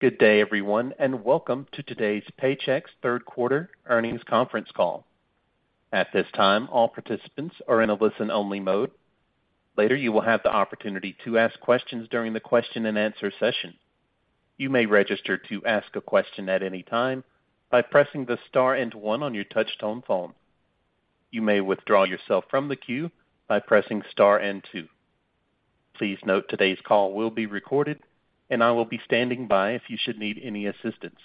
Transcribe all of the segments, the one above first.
Good day, everyone, welcome to today's Paychex third quarter earnings conference call. At this time, all participants are in a listen-only mode. Later, you will have the opportunity to ask questions during the question-and-answer session. You may register to ask a question at any time by pressing the star and one on your touchtone phone. You may withdraw yourself from the queue by pressing star and two. Please note today's call will be recorded, I will be standing by if you should need any assistance.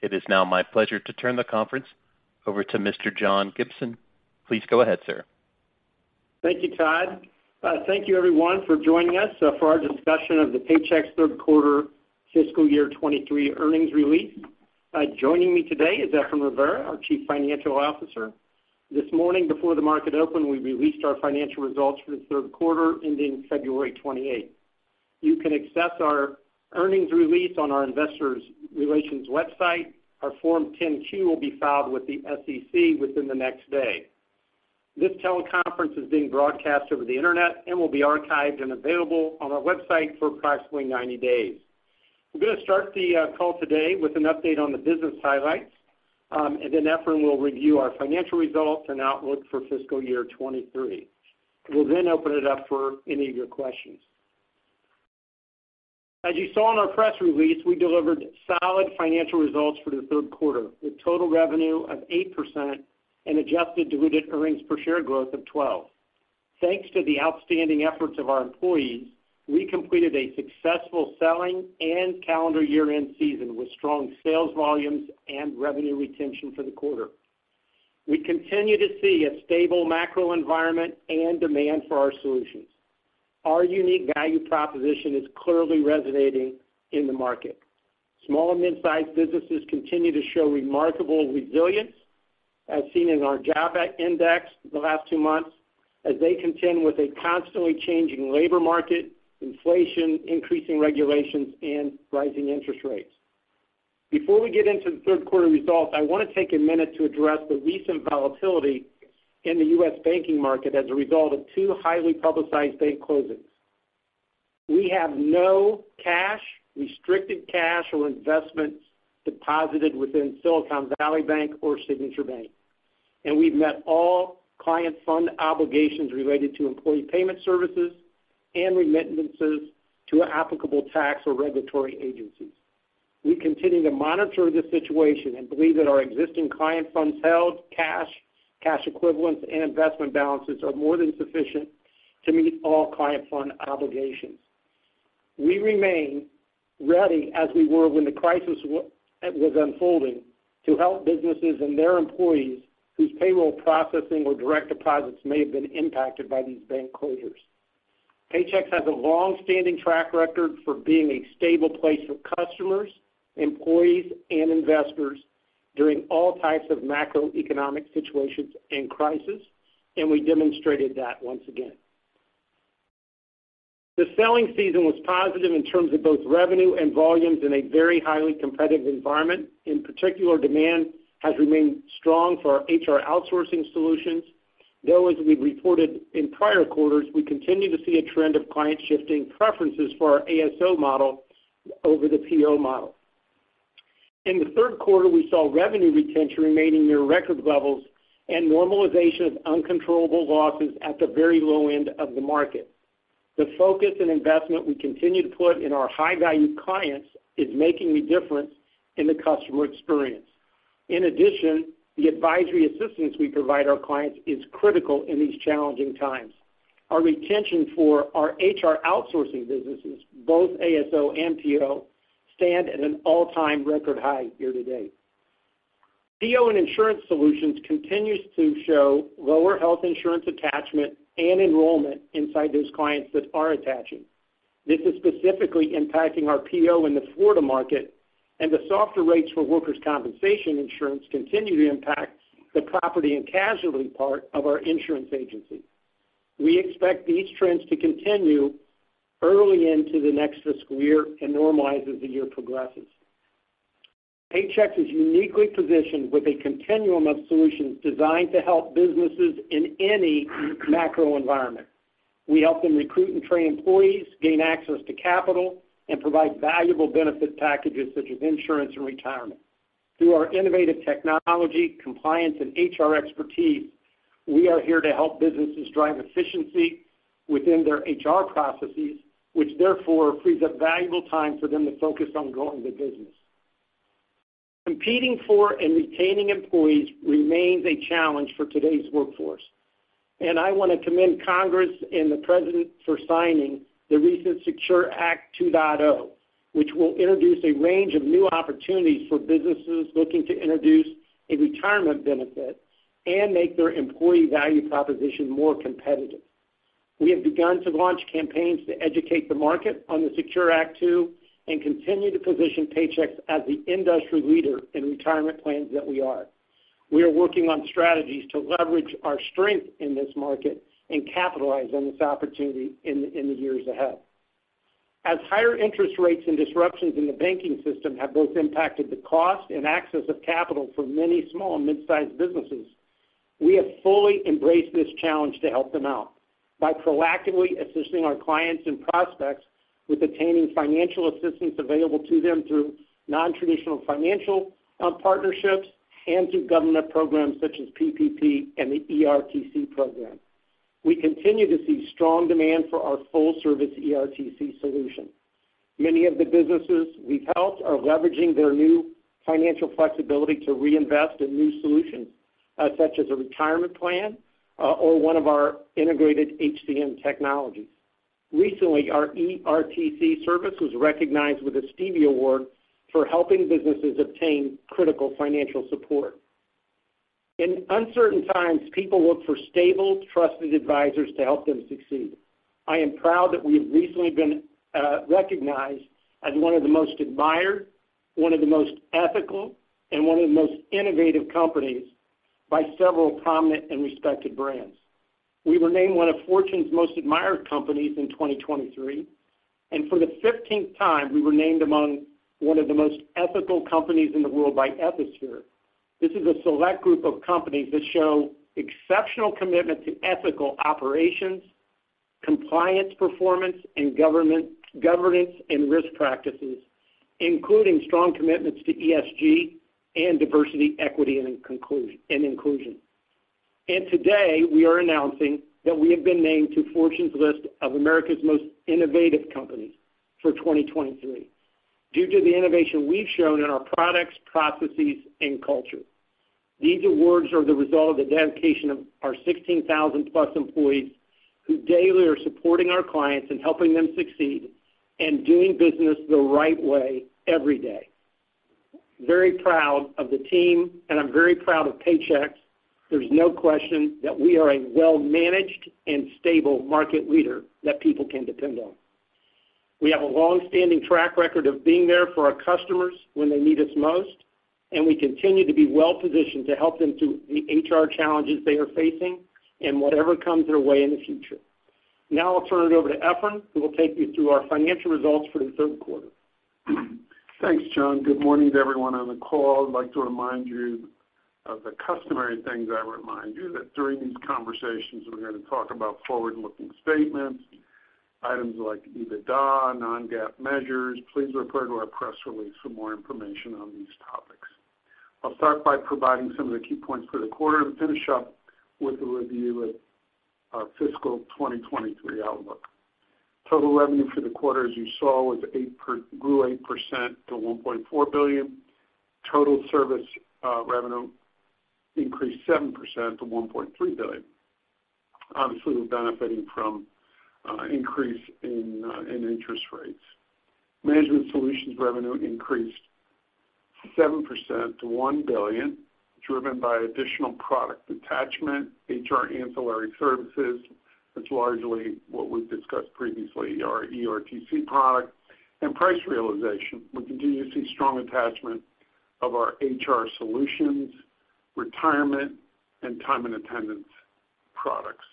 It is now my pleasure to turn the conference over to Mr. John Gibson. Please go ahead, sir. Thank you, Todd. Thank you, everyone, for joining us for our discussion of the Paychex third quarter fiscal year 23 earnings release. Joining me today is Efrain Rivera, our Chief Financial Officer. This morning, before the market opened, we released our financial results for the third quarter ending February 28. You can access our earnings release on our Investors Relations website. Our Form 10-Q will be filed with the SEC within the next day. This teleconference is being broadcast over the Internet and will be archived and available on our website for approximately 90 days. I'm gonna start the call today with an update on the business highlights, and then Efrain will review our financial results and outlook for fiscal year 23. We'll then open it up for any of your questions. As you saw in our press release, we delivered solid financial results for the third quarter, with total revenue of 8% and adjusted diluted earnings per share growth of 12%. Thanks to the outstanding efforts of our employees, we completed a successful selling and calendar year-end season with strong sales volumes and revenue retention for the quarter. We continue to see a stable macro environment and demand for our solutions. Our unique value proposition is clearly resonating in the market. Small and mid-sized businesses continue to show remarkable resilience, as seen in our Jobs Index the last two months, as they contend with a constantly changing labor market, inflation, increasing regulations, and rising interest rates. Before we get into the third quarter results, I wanna take a minute to address the recent volatility in the U.S. banking market as a result of two highly publicized bank closings. We have no cash, restricted cash, or investments deposited within Silicon Valley Bank or Signature Bank. We've met all client fund obligations related to employee payment services and remittances to applicable tax or regulatory agencies. We continue to monitor the situation and believe that our existing client funds held, cash equivalents, and investment balances are more than sufficient to meet all client fund obligations. We remain ready, as we were when the crisis was unfolding, to help businesses and their employees whose payroll processing or direct deposits may have been impacted by these bank closures. Paychex has a long-standing track record for being a stable place for customers, employees, and investors during all types of macroeconomic situations and crisis, and we demonstrated that once again. The selling season was positive in terms of both revenue and volumes in a very highly competitive environment. In particular, demand has remained strong for our HR outsourcing solutions, though, as we've reported in prior quarters, we continue to see a trend of clients shifting preferences for our ASO model over the PEO model. In the third quarter, we saw revenue retention remaining near record levels and normalization of uncontrollable losses at the very low end of the market. The focus and investment we continue to put in our high-value clients is making a difference in the customer experience. In addition, the advisory assistance we provide our clients is critical in these challenging times. Our retention for our HR outsourcing businesses, both ASO and PEO, stand at an all-time record high year to date. PEO and insurance solutions continues to show lower health insurance attachment and enrollment inside those clients that are attaching. This is specifically impacting our PEO in the Florida market, and the softer rates for workers' compensation insurance continue to impact the property and casualty part of our insurance agency. We expect these trends to continue early into the next fiscal year and normalize as the year progresses. Paychex is uniquely positioned with a continuum of solutions designed to help businesses in any macro environment. We help them recruit and train employees, gain access to capital, and provide valuable benefit packages such as insurance and retirement. Through our innovative technology, compliance, and HR expertise, we are here to help businesses drive efficiency within their HR processes, which therefore frees up valuable time for them to focus on growing their business. Competing for and retaining employees remains a challenge for today's workforce. I wanna commend Congress and the President for signing the recent SECURE 2.0 Act, which will introduce a range of new opportunities for businesses looking to introduce a retirement benefit and make their employee value proposition more competitive. We have begun to launch campaigns to educate the market on the SECURE 2.0 Act and continue to position Paychex as the industry leader in retirement plans that we are. We are working on strategies to leverage our strength in this market and capitalize on this opportunity in the years ahead. Higher interest rates and disruptions in the banking system have both impacted the cost and access of capital for many small and mid-sized businesses. We have fully embraced this challenge to help them out by proactively assisting our clients and prospects with obtaining financial assistance available to them through nontraditional financial partnerships and through government programs such as PPP and the ERTC program. We continue to see strong demand for our full-service ERTC solution. Many of the businesses we've helped are leveraging their new financial flexibility to reinvest in new solutions, such as a retirement plan, or one of our integrated HCM technologies. Recently, our ERTC service was recognized with a Stevie Award for helping businesses obtain critical financial support. In uncertain times, people look for stable, trusted advisors to help them succeed. I am proud that we have recently been recognized as one of the most admired, one of the most ethical, and one of the most innovative companies by several prominent and respected brands. We were named one of Fortune's Most Admired Companies in 2023, for the 15th time, we were named among one of the most ethical companies in the world by Ethisphere. This is a select group of companies that show exceptional commitment to ethical operations, compliance performance, and governance, and risk practices, including strong commitments to ESG and diversity, equity, and inclusion. Today, we are announcing that we have been named to Fortune's list of America's Most Innovative Companies for 2023 due to the innovation we've shown in our products, processes, and culture. These awards are the result of the dedication of our 16,000+ employees who daily are supporting our clients and helping them succeed and doing business the right way every day. Very proud of the team, and I'm very proud of Paychex. There's no question that we are a well-managed and stable market leader that people can depend on. We have a long-standing track record of being there for our customers when they need us most, and we continue to be well-positioned to help them through the HR challenges they are facing and whatever comes their way in the future. Now I'll turn it over to Efrain, who will take you through our financial results for the third quarter. Thanks, John. Good morning to everyone on the call. I'd like to remind you of the customary things I remind you, that during these conversations, we're gonna talk about forward-looking statements, items like EBITDA, non-GAAP measures. Please refer to our press release for more information on these topics. I'll start by providing some of the key points for the quarter and finish up with a review of our fiscal 2023 outlook. Total revenue for the quarter, as you saw, grew 8% to $1.4 billion. Total service revenue increased 7% to $1.3 billion, obviously benefiting from increase in interest rates. Management solutions revenue increased 7% to $1 billion, driven by additional product attachment, HR ancillary services. That's largely what we've discussed previously, our ERTC product, and price realization. We continue to see strong attachment of our HR solutions, retirement, and time and attendance products.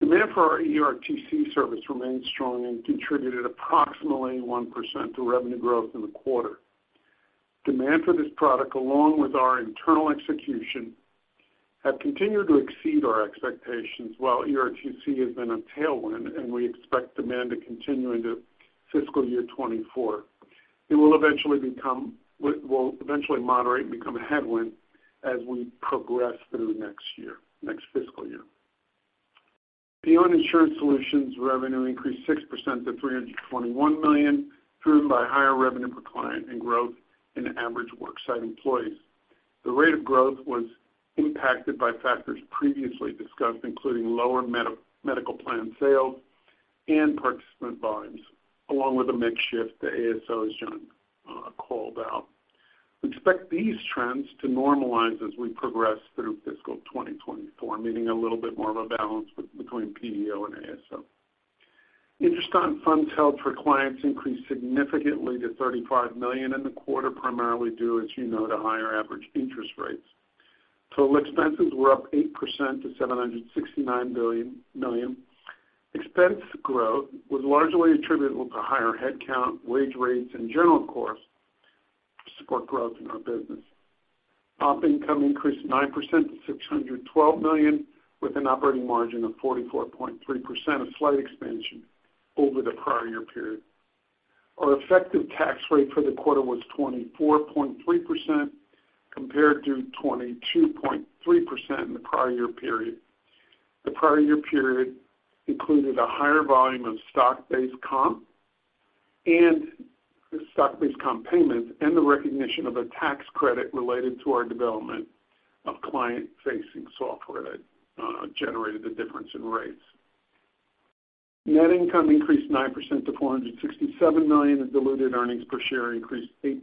Demand for our ERTC service remained strong and contributed approximately 1% to revenue growth in the quarter. Demand for this product, along with our internal execution, have continued to exceed our expectations. While ERTC has been a tailwind, and we expect demand to continue into fiscal year 2024, it will eventually moderate and become a headwind as we progress through next year, next fiscal year. PEO and insurance solutions revenue increased 6% to $321 million, driven by higher revenue per client and growth in average worksite employees. The rate of growth was impacted by factors previously discussed, including lower medical plan sales and participant volumes, along with a mix shift to ASO, as John called out. We expect these trends to normalize as we progress through fiscal 2024, meaning a little bit more of a balance between PEO and ASO. Interest on funds held for clients increased significantly to $35 million in the quarter, primarily due, as you know, to higher average interest rates. Total expenses were up 8% to $769 million. Expense growth was largely attributable to higher headcount, wage rates, and general costs to support growth in our business. Op income increased 9% to $612 million, with an operating margin of 44.3%, a slight expansion over the prior year period. Our effective tax rate for the quarter was 24.3%, compared to 22.3% in the prior year period. The prior year period included a higher volume of stock-based comp and the stock-based comp payments and the recognition of a tax credit related to our development of client-facing software that generated the difference in rates. Net income increased 9% to $467 million, and diluted earnings per share increased 8%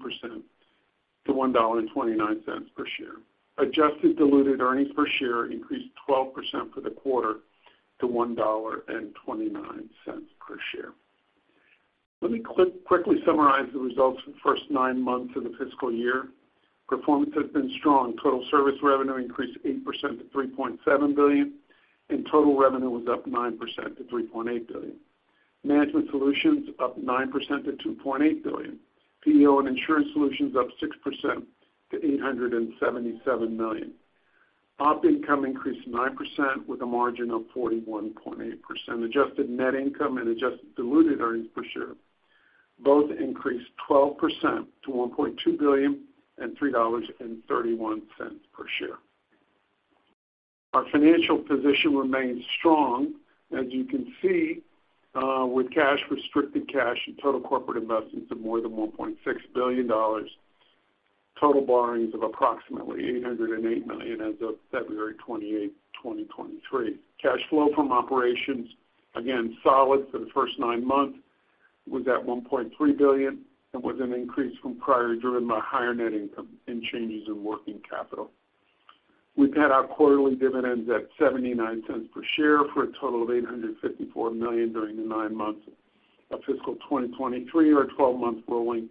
to $1.29 per share. Adjusted diluted earnings per share increased 12% for the quarter to $1.29 per share. Let me quickly summarize the results for the first nine months of the fiscal year. Performance has been strong. Total service revenue increased 8% to $3.7 billion, and total revenue was up 9% to $3.8 billion. Management solutions up 9% to $2.8 billion. PEO and insurance solutions up 6% to $877 million. Op income increased 9% with a margin of 41.8%. Adjusted net income and adjusted diluted earnings per share both increased 12% to $1.2 billion and $3.31 per share. Our financial position remains strong, as you can see, with cash, restricted cash, and total corporate investments of more than $1.6 billion, total borrowings of approximately $808 million as of February 28, 2023. Cash flow from operations, again, solid for the first nine months was at $1.3 billion and was an increase from prior, driven by higher net income and changes in working capital. We've had our quarterly dividends at $0.79 per share for a total of $854 million during the nine months of fiscal 2023 or a 12-month rolling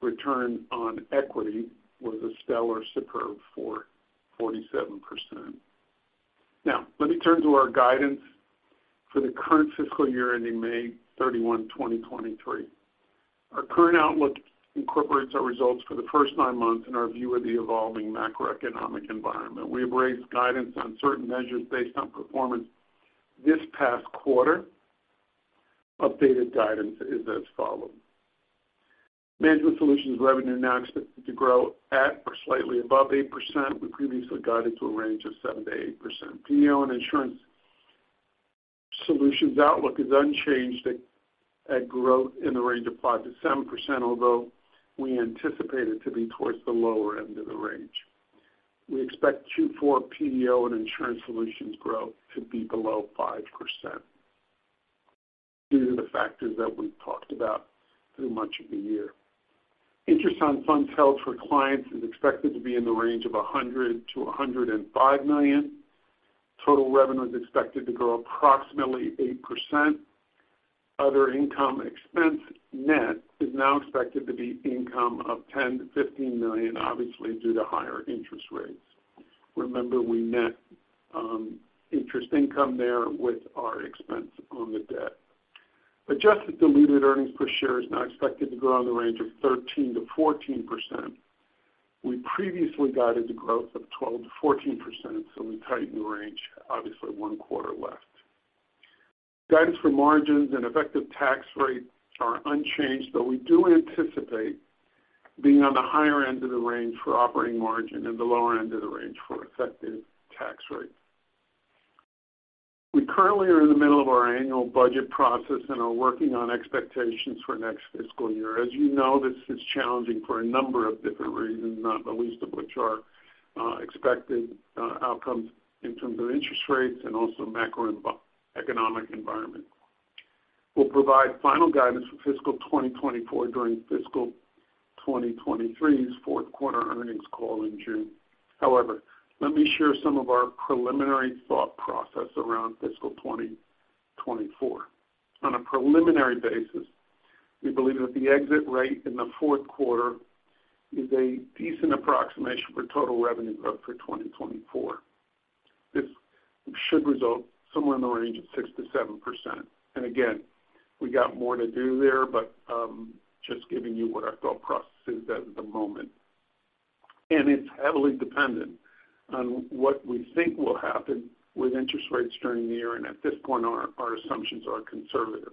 return on equity was a stellar superb for 47%. Now, let me turn to our guidance for the current fiscal year ending May 31, 2023. Our current outlook incorporates our results for the first nine months in our view of the evolving macroeconomic environment. We have raised guidance on certain measures based on performance this past quarter. Updated guidance is as follows: Management solutions revenue now expected to grow at or slightly above 8%. We previously guided to a range of 7%-8%. PEO and insurance solutions outlook is unchanged at growth in the range of 5%-7%, although we anticipate it to be towards the lower end of the range. We expect Q4 PEO and insurance solutions growth to be below 5% due to the factors that we've talked about through much of the year. Interest on fund held for clients is expected to be in the range of $100 million-$105 million. Total revenue is expected to grow approximately 8%. Other income expense net is now expected to be income of $10 million-$15 million, obviously, due to higher interest rates. Remember, we net interest income there with our expense on the debt. Adjusted diluted earnings per share is now expected to grow in the range of 13%-14%. We previously guided the growth of 12%-14%, so we tightened the range, obviously, one quarter left. Guidance for margins and effective tax rates are unchanged. We do anticipate being on the higher end of the range for operating margin and the lower end of the range for effective tax rate. We currently are in the middle of our annual budget process and are working on expectations for next fiscal year. As you know, this is challenging for a number of different reasons, not the least of which are expected outcomes in terms of interest rates and also macroeconomic environment. We'll provide final guidance for fiscal 2024 during fiscal 2023's fourth quarter earnings call in June. Let me share some of our preliminary thought process around fiscal 2024. On a preliminary basis, we believe that the exit rate in the fourth quarter is a decent approximation for total revenue growth for 2024. This should result somewhere in the range of 6%-7%. Again, we got more to do there, but just giving you what our thought process is at the moment. It's heavily dependent on what we think will happen with interest rates during the year, and at this point, our assumptions are conservative.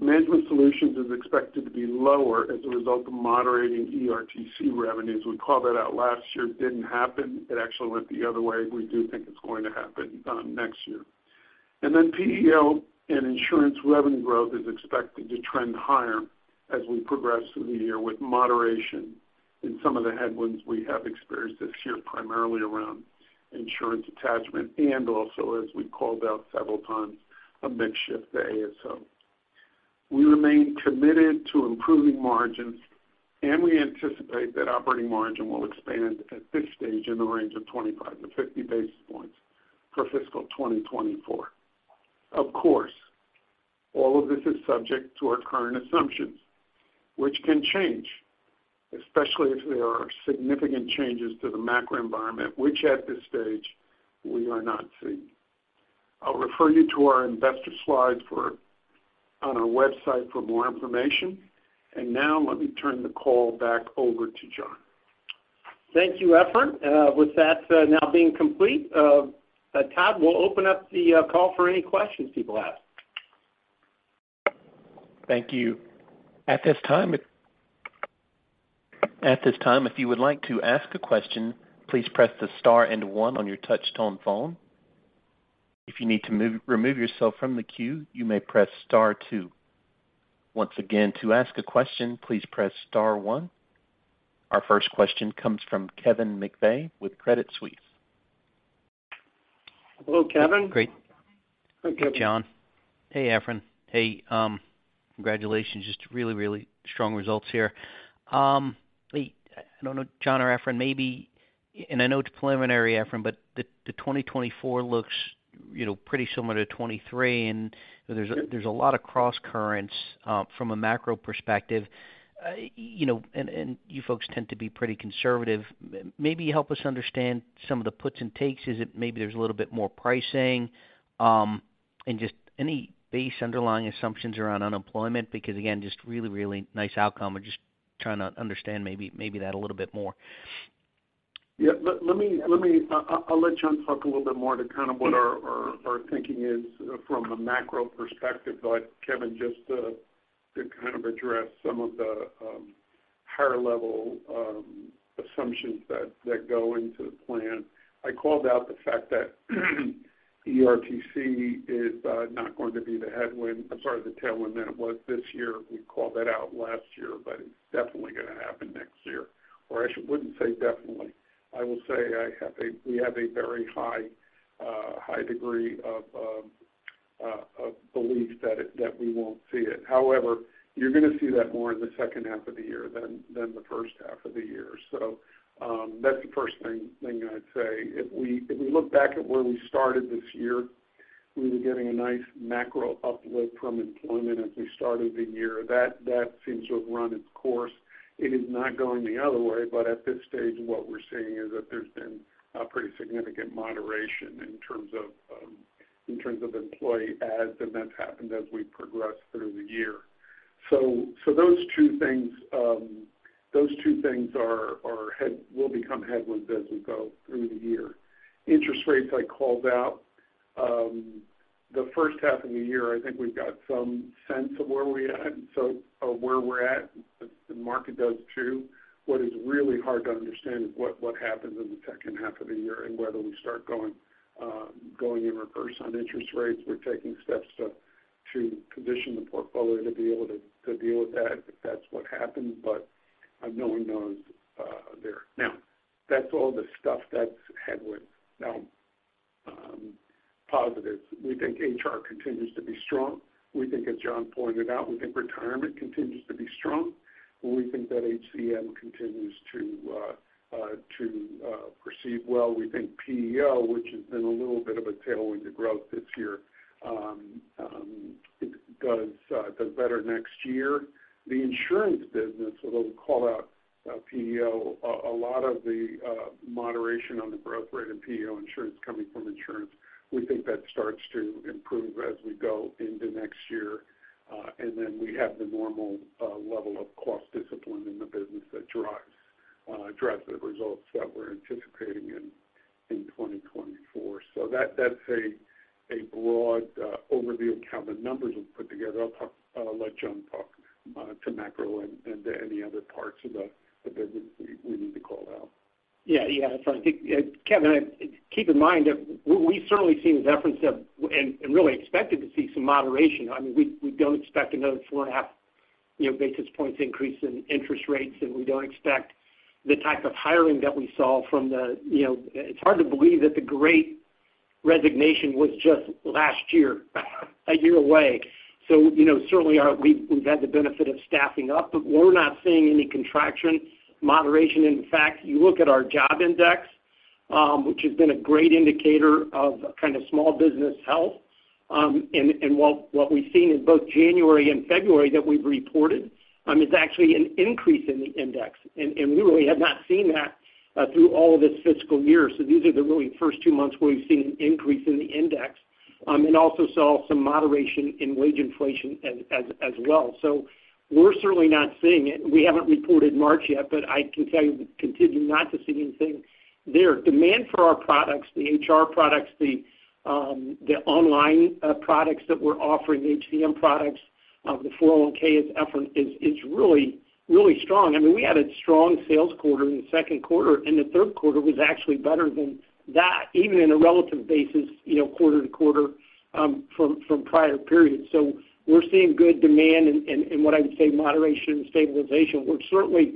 Management solutions is expected to be lower as a result of moderating ERTC revenues. We called that out last year, didn't happen. It actually went the other way. We do think it's going to happen next year. Then PEO and insurance revenue growth is expected to trend higher as we progress through the year with moderation in some of the headwinds we have experienced this year, primarily around insurance attachment and also, as we've called out several times, a mix shift to ASO. We remain committed to improving margins, and we anticipate that operating margin will expand at this stage in the range of 25-50 basis points for fiscal 2024. Of course, all of this is subject to our current assumptions, which can change, especially if there are significant changes to the macro environment, which at this stage we are not seeing. I'll refer you to our investor slides for on our website for more information. Now let me turn the call back over to John. Thank you, Efrain. With that, now being complete, Todd will open up the call for any questions people have. Thank you. At this time, if you would like to ask a question, please press the star and one on your touch tone phone. If you need to remove yourself from the queue, you may press star two. Once again, to ask a question, please press star one. Our first question comes from Kevin McVeigh with Credit Suisse. Hello, Kevin. Great. Hi, Kevin. John. Hey, Efrain. Hey, congratulations. Just really, really strong results here. I don't know, John or Efrain, maybe... I know it's preliminary, Efrain, but the 2024 looks, you know, pretty similar to 2023, and there's a lot of crosscurrents from a macro perspective. You know, and you folks tend to be pretty conservative. Maybe help us understand some of the puts and takes. Is it maybe there's a little bit more pricing? And just any base underlying assumptions around unemployment, because, again, just really, really nice outcome or just Trying to understand maybe that a little bit more. Yeah. I'll let John talk a little bit more to kind of what our thinking is from a macro perspective. Kevin, just to kind of address some of the higher level assumptions that go into the plan. I called out the fact that ERTC is not going to be the headwind... I'm sorry, the tailwind that it was this year. We called that out last year, but it's definitely gonna happen next year. I wouldn't say definitely. I will say we have a very high degree of belief that we won't see it. However, you're gonna see that more in the second half of the year than the first half of the year. That's the first thing I'd say. If we look back at where we started this year, we were getting a nice macro uplift from employment as we started the year. That seems to have run its course. It is not going the other way. At this stage, what we're seeing is that there's been a pretty significant moderation in terms of, in terms of employee adds, and that's happened as we progress through the year. Those two things will become headwinds as we go through the year. Interest rates, I called out. The first half of the year, I think we've got some sense of where we at, of where we're at. The market does too. What is really hard to understand is what happens in the second half of the year and whether we start going in reverse on interest rates. We're taking steps to position the portfolio to deal with that if that's what happens, but no one knows there. That's all the stuff that's headwinds. Positives. We think HR continues to be strong. We think, as John pointed out, we think retirement continues to be strong. We think that HCM continues to proceed well. We think PEO, which has been a little bit of a tailwind to growth this year, it does better next year. The insurance business, although we called out PEO, a lot of the moderation on the growth rate in PEO insurance coming from insurance, we think that starts to improve as we go into next year. We have the normal level of cost discipline in the business that drives the results that we're anticipating in 2024. That's a broad overview of how the numbers were put together. I'll let John talk to macro and any other parts of the business we need to call out. Yeah. Yeah. I think, Kevin, keep in mind that we've certainly seen the deference of, and really expected to see some moderation. I mean, we don't expect another 4.5, you know, basis points increase in interest rates, and we don't expect the type of hiring that we saw from the. It's hard to believe that the great resignation was just last year, a year away. You know, certainly we've had the benefit of staffing up, but we're not seeing any contraction, moderation. In fact, you look at our Jobs Index, which has been a great indicator of kind of small business health, and what we've seen in both January and February that we've reported, is actually an increase in the index. We really have not seen that through all of this fiscal year. These are the really first two months where we've seen an increase in the index, and also saw some moderation in wage inflation as well. We're certainly not seeing it. We haven't reported March yet, but I can tell you we continue not to see anything there. Demand for our products, the HR products, the online products that we're offering, the HCM products, the 401(k) effort is really strong. I mean, we had a strong sales quarter in the second quarter, and the third quarter was actually better than that, even in a relative basis, you know, quarter to quarter from prior periods. We're seeing good demand and what I would say moderation and stabilization. We're certainly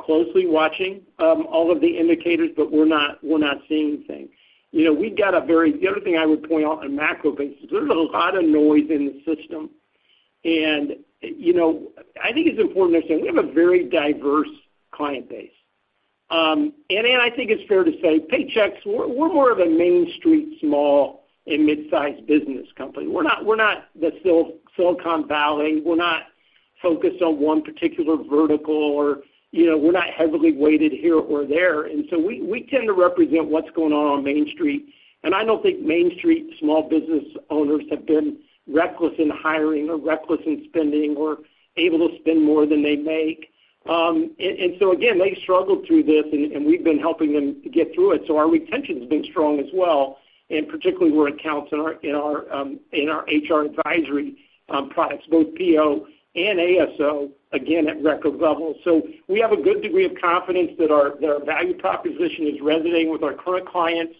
closely watching all of the indicators, but we're not seeing anything. You know, the other thing I would point out on a macro basis, there's a lot of noise in the system. You know, I think it's important to understand, we have a very diverse client base. And I think it's fair to say, Paychex, we're more of a Main Street, small and mid-sized business company. We're not the Silicon Valley. We're not focused on one particular vertical or, you know, we're not heavily weighted here or there. We tend to represent what's going on on Main Street. I don't think Main Street small business owners have been reckless in hiring or reckless in spending or able to spend more than they make. Again, they struggled through this and we've been helping them get through it. Our retention's been strong as well, and particularly with accounts in our HR advisory products, both PEO and ASO, again, at record levels. We have a good degree of confidence that our value proposition is resonating with our current clients.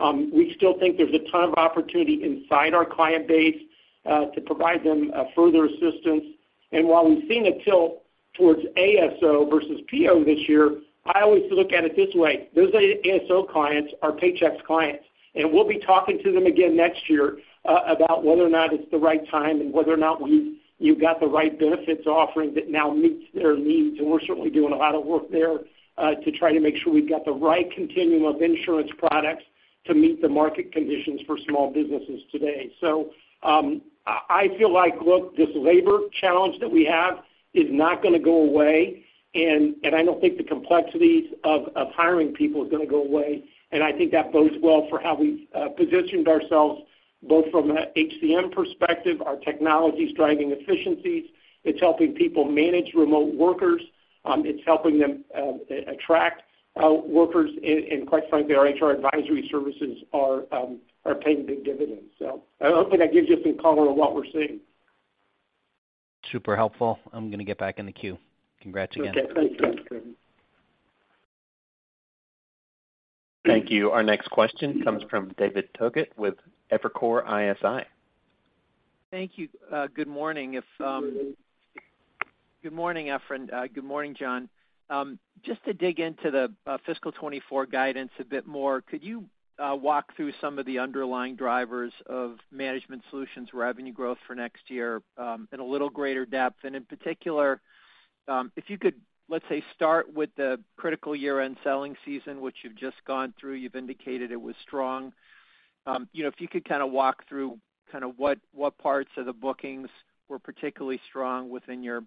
We still think there's a ton of opportunity inside our client base to provide them further assistance. While we've seen a tilt towards ASO versus PEO this year, I always look at it this way: Those ASO clients are Paychex clients, and we'll be talking to them again next year about whether or not it's the right time and whether or not you've got the right benefits offering that now meets their needs. We're certainly doing a lot of work there to try to make sure we've got the right continuum of insurance products to meet the market conditions for small businesses today. I feel like, look, this labor challenge that we have is not gonna go away, and I don't think the complexities of hiring people is gonna go away. I think that bodes well for how we've positioned ourselves both from a HCM perspective, our technology's driving efficiencies. It's helping people manage remote workers. It's helping them attract workers, and quite frankly, our HR advisory services are paying big dividends. I hope that gives you some color on what we're seeing. Super helpful. I'm gonna get back in the queue. Congrats again. Okay. Thanks, Kevin. Thank you. Our next question comes from David Togut with Evercore ISI. Thank you. Good morning. Good morning, Efrain. Good morning, John. Just to dig into the fiscal 2024 guidance a bit more, could you walk through some of the underlying drivers of Management Solutions revenue growth for next year in a little greater depth? In particular, if you could, let's say, start with the critical year-end selling season, which you've just gone through. You've indicated it was strong. You know, if you could kinda walk through kinda what parts of the bookings were particularly strong within your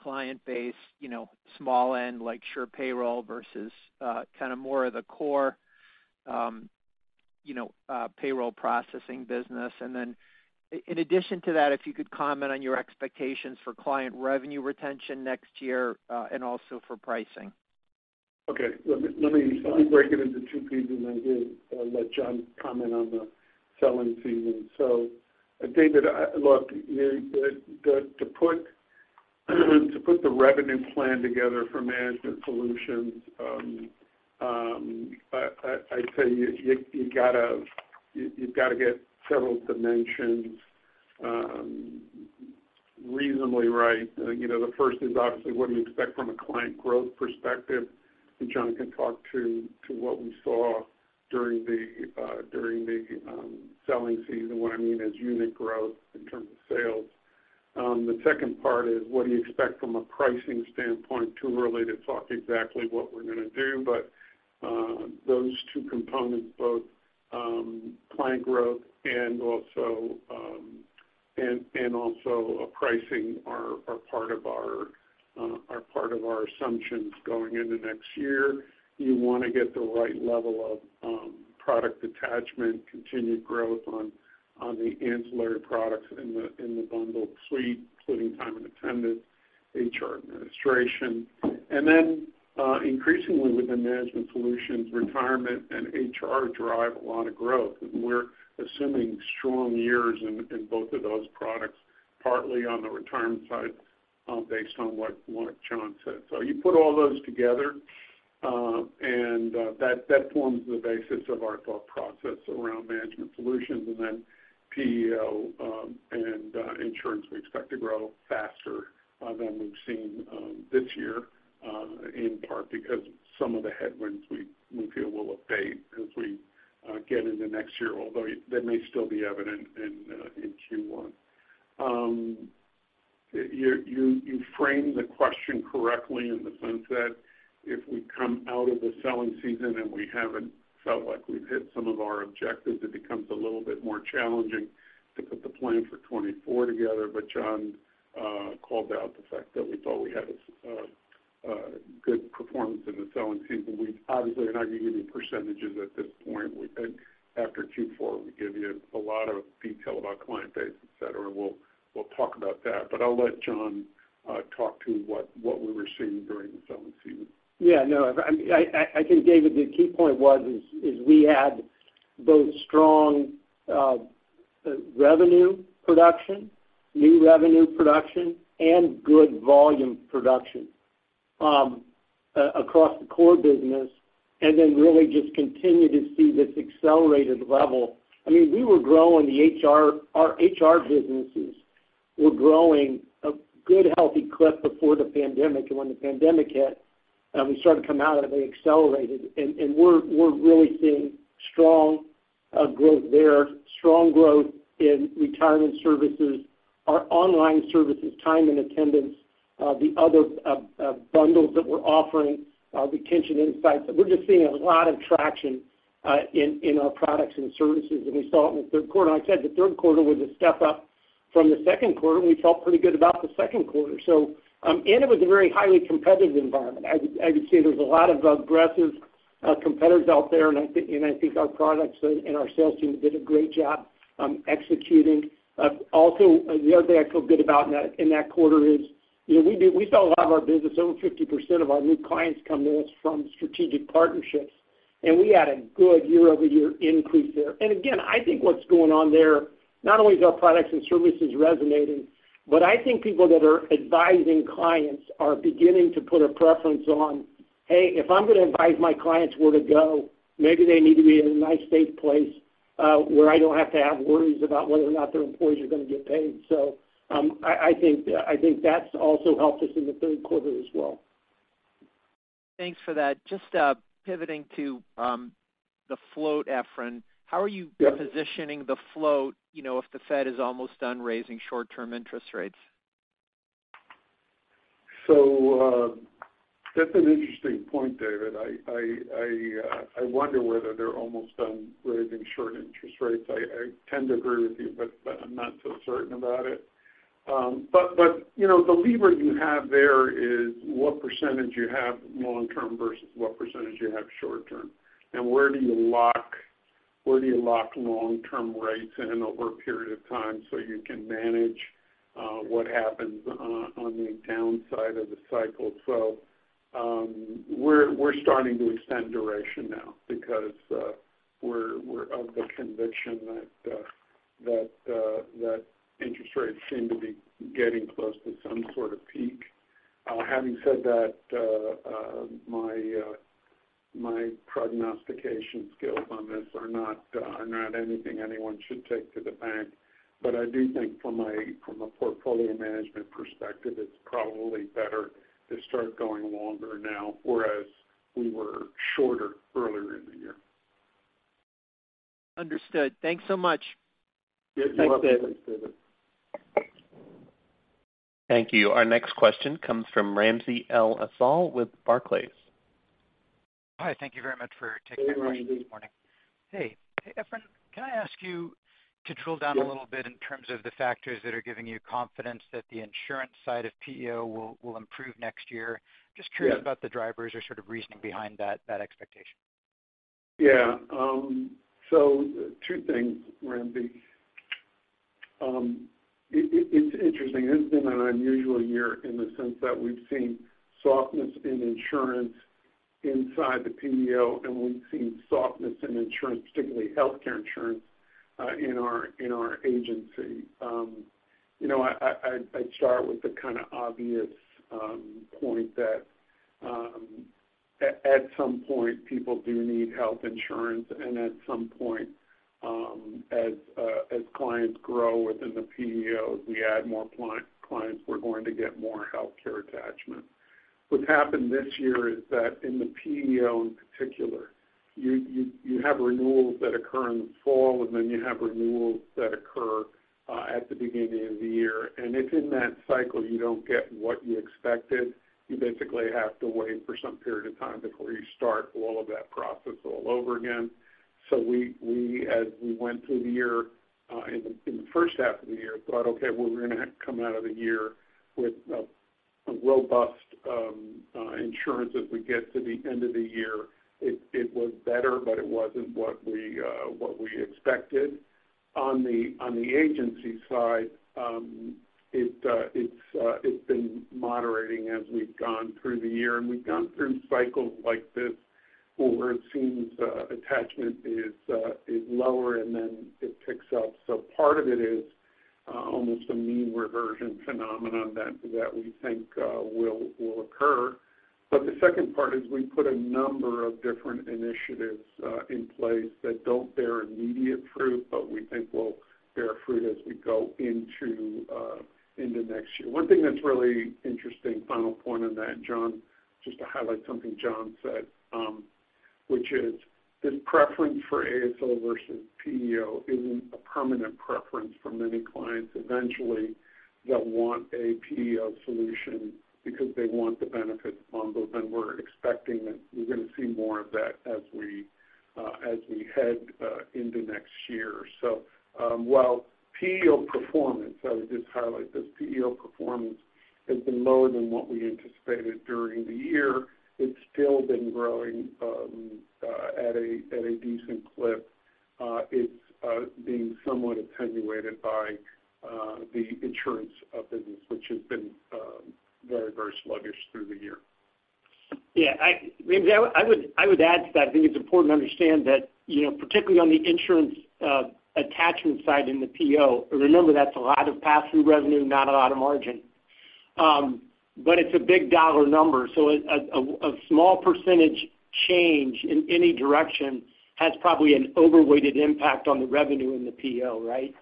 client base, you know, small end, like SurePayroll versus kinda more of the core, you know, payroll processing business. Then in addition to that, if you could comment on your expectations for client revenue retention next year, and also for pricing. Okay. Let me break it into two pieces, and I'll let John comment on the selling season. David, look, to put the revenue plan together for Management Solutions, I'd say you gotta, you've gotta get several dimensions reasonably right. You know, the first is obviously what do we expect from a client growth perspective, and John can talk to what we saw during the selling season. What I mean is unit growth in terms of sales. The second part is what do you expect from a pricing standpoint. Too early to talk exactly what we're gonna do, but those two components, both client growth and also pricing are part of our assumptions going into next year. You wanna get the right level of product attachment, continued growth on the ancillary products in the bundled suite, including time and attendance, HR administration. Increasingly within Management Solutions, retirement and HR drive a lot of growth. We're assuming strong years in both of those products, partly on the retirement side, based on what John said. You put all those together, that forms the basis of our thought process around Management Solutions. and insurance we expect to grow faster than we've seen this year in part because some of the headwinds we feel will abate as we get into next year, although they may still be evident in Q1. You framed the question correctly in the sense that if we come out of the selling season and we haven't felt like we've hit some of our objectives, it becomes a little bit more challenging to put the plan for 2024 together. John called out the fact that we thought we had a good performance in the selling season. We obviously are not gonna give you percentages at this point. After Q4, we give you a lot of detail about client base, et cetera. We'll talk about that. I'll let John talk to what we were seeing during the selling season. Yeah, no. I think, David, the key point was, is we had both strong revenue production, new revenue production, and good volume production across the core business, and then really just continue to see this accelerated level. I mean, our HR businesses were growing a good healthy clip before the pandemic. When the pandemic hit, we started to come out of it, they accelerated. We're really seeing strong growth there, strong growth in retirement services, our online services, time and attendance, the other bundles that we're offering, retention insights. We're just seeing a lot of traction in our products and services, and we saw it in the third quarter. I said the third quarter was a step up from the second quarter, and we felt pretty good about the second quarter. It was a very highly competitive environment. I would say there's a lot of aggressive competitors out there, and I think our products and our sales team did a great job executing. Also, the other thing I feel good about in that quarter is, you know, we sell a lot of our business, over 50% of our new clients come to us from strategic partnerships, and we had a good year-over-year increase there. Again, I think what's going on there, not only is our products and services resonating, but I think people that are advising clients are beginning to put a preference on, "Hey, if I'm gonna advise my clients where to go, maybe they need to be in a nice, safe place, where I don't have to have worries about whether or not their employees are gonna get paid." I think that's also helped us in the third quarter as well. Thanks for that. Just pivoting to the float, Efrain. Yeah. How are you positioning the float, you know, if the Fed is almost done raising short-term interest rates? That's an interesting point, David. I wonder whether they're almost done raising short interest rates. I tend to agree with you, but I'm not so certain about it. But, you know, the lever you have there is what % you have long term versus what % you have short term, and where do you lock long-term rates in over a period of time so you can manage what happens on the downside of the cycle? We're starting to extend duration now because we're of the conviction that interest rates seem to be getting close to some sort of peak. Having said that, my prognostication skills on this are not anything anyone should take to the bank. I do think from a portfolio management perspective, it's probably better to start going longer now, whereas we were shorter earlier in the year. Understood. Thanks so much. Yeah. You're welcome. Thanks, David. Thank you. Our next question comes from Ramsey El-Assal with Barclays. Hi, thank you very much for taking my questions this morning. Hey, Efrain, can I ask you to drill down a little bit in terms of the factors that are giving you confidence that the insurance side of PEO will improve next year? Yeah. Just curious about the drivers or sort of reasoning behind that expectation. Yeah. Two things, Ramsey. It's interesting. It's been an unusual year in the sense that we've seen softness in insurance inside the PEO, and we've seen softness in insurance, particularly healthcare insurance in our agency. You know, I'd start with the kinda obvious point that at some point people do need health insurance. At some point, as clients grow within the PEOs, we add more clients, we're going to get more healthcare attachments. What's happened this year is that in the PEO in particular, you have renewals that occur in the fall, and then you have renewals that occur at the beginning of the year. If in that cycle you don't get what you expected, you basically have to wait for some period of time before you start all of that process all over again. We as we went through the year, in the first half of the year, thought, "Okay, well, we're gonna have to come out of the year with a robust insurance as we get to the end of the year." It was better, but it wasn't what we expected. On the agency side, it's been moderating as we've gone through the year. We've gone through cycles like this where it seems attachment is lower, and then it picks up. Part of it is almost a mean reversion phenomenon that we think will occur. The second part is we put a number of different initiatives in place that don't bear immediate fruit, but we think will bear fruit as we go into next year. One thing that's really interesting, final point on that, John, just to highlight something John said, which is this preference for ASO versus PEO isn't a permanent preference for many clients eventually that want a PEO solution because they want the benefits bundled. We're expecting that we're gonna see more of that as we head into next year. While PEO performance, I would just highlight this, PEO performance has been lower than what we anticipated during the year. It's still been growing, at a decent clip. It's being somewhat attenuated by the insurance business, which has been very, very sluggish through the year. Yeah. I, Ramsey, I would add to that. I think it's important to understand that, you know, particularly on the insurance attachment side in the PEO, remember that's a lot of pass-through revenue, not a lot of margin. It's a big dollar number, so a small % change in any direction has probably an overweighted impact on the revenue in the PEO, right?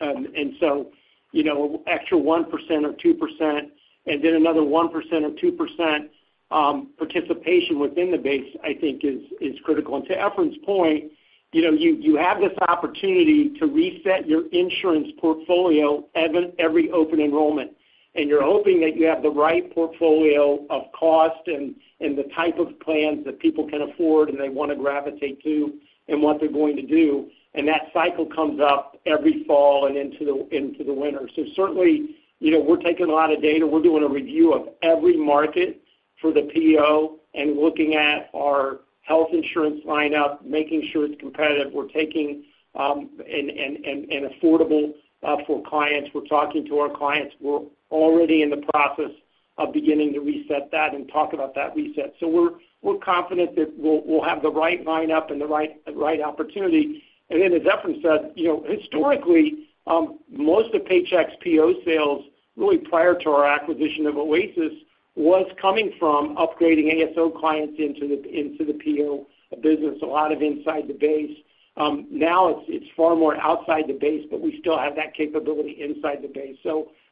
You know, extra 1% or 2%, and then another 1% or 2% participation within the base, I think is critical. To Efrain's point, you know, you have this opportunity to reset your insurance portfolio every open enrollment, and you're hoping that you have the right portfolio of cost and the type of plans that people can afford, and they wanna gravitate to and what they're going to do, and that cycle comes up every fall and into the winter. Certainly, you know, we're taking a lot of data. We're doing a review of every market for the PEO and looking at our health insurance lineup, making sure it's competitive. We're taking and affordable for clients. We're talking to our clients. We're already in the process of beginning to reset that and talk about that reset. We're confident that we'll have the right lineup and the right opportunity. As Efrain said, you know, historically, most of Paychex PEO sales, really prior to our acquisition of Oasis, was coming from upgrading ASO clients into the PEO business, a lot of inside the base. Now it's far more outside the base, but we still have that capability inside the base.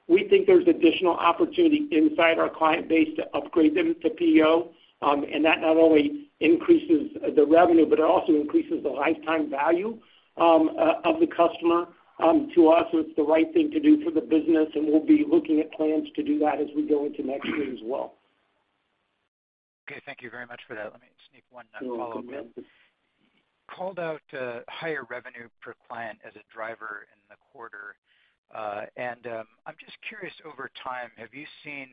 We think there's additional opportunity inside our client base to upgrade them to PEO, and that not only increases the revenue, but it also increases the lifetime value of the customer. To us, it's the right thing to do for the business, and we'll be looking at plans to do that as we go into next year as well. Okay, thank you very much for that. Let me sneak one follow-up in. You called out higher revenue per client as a driver in the quarter. I'm just curious, over time, have you seen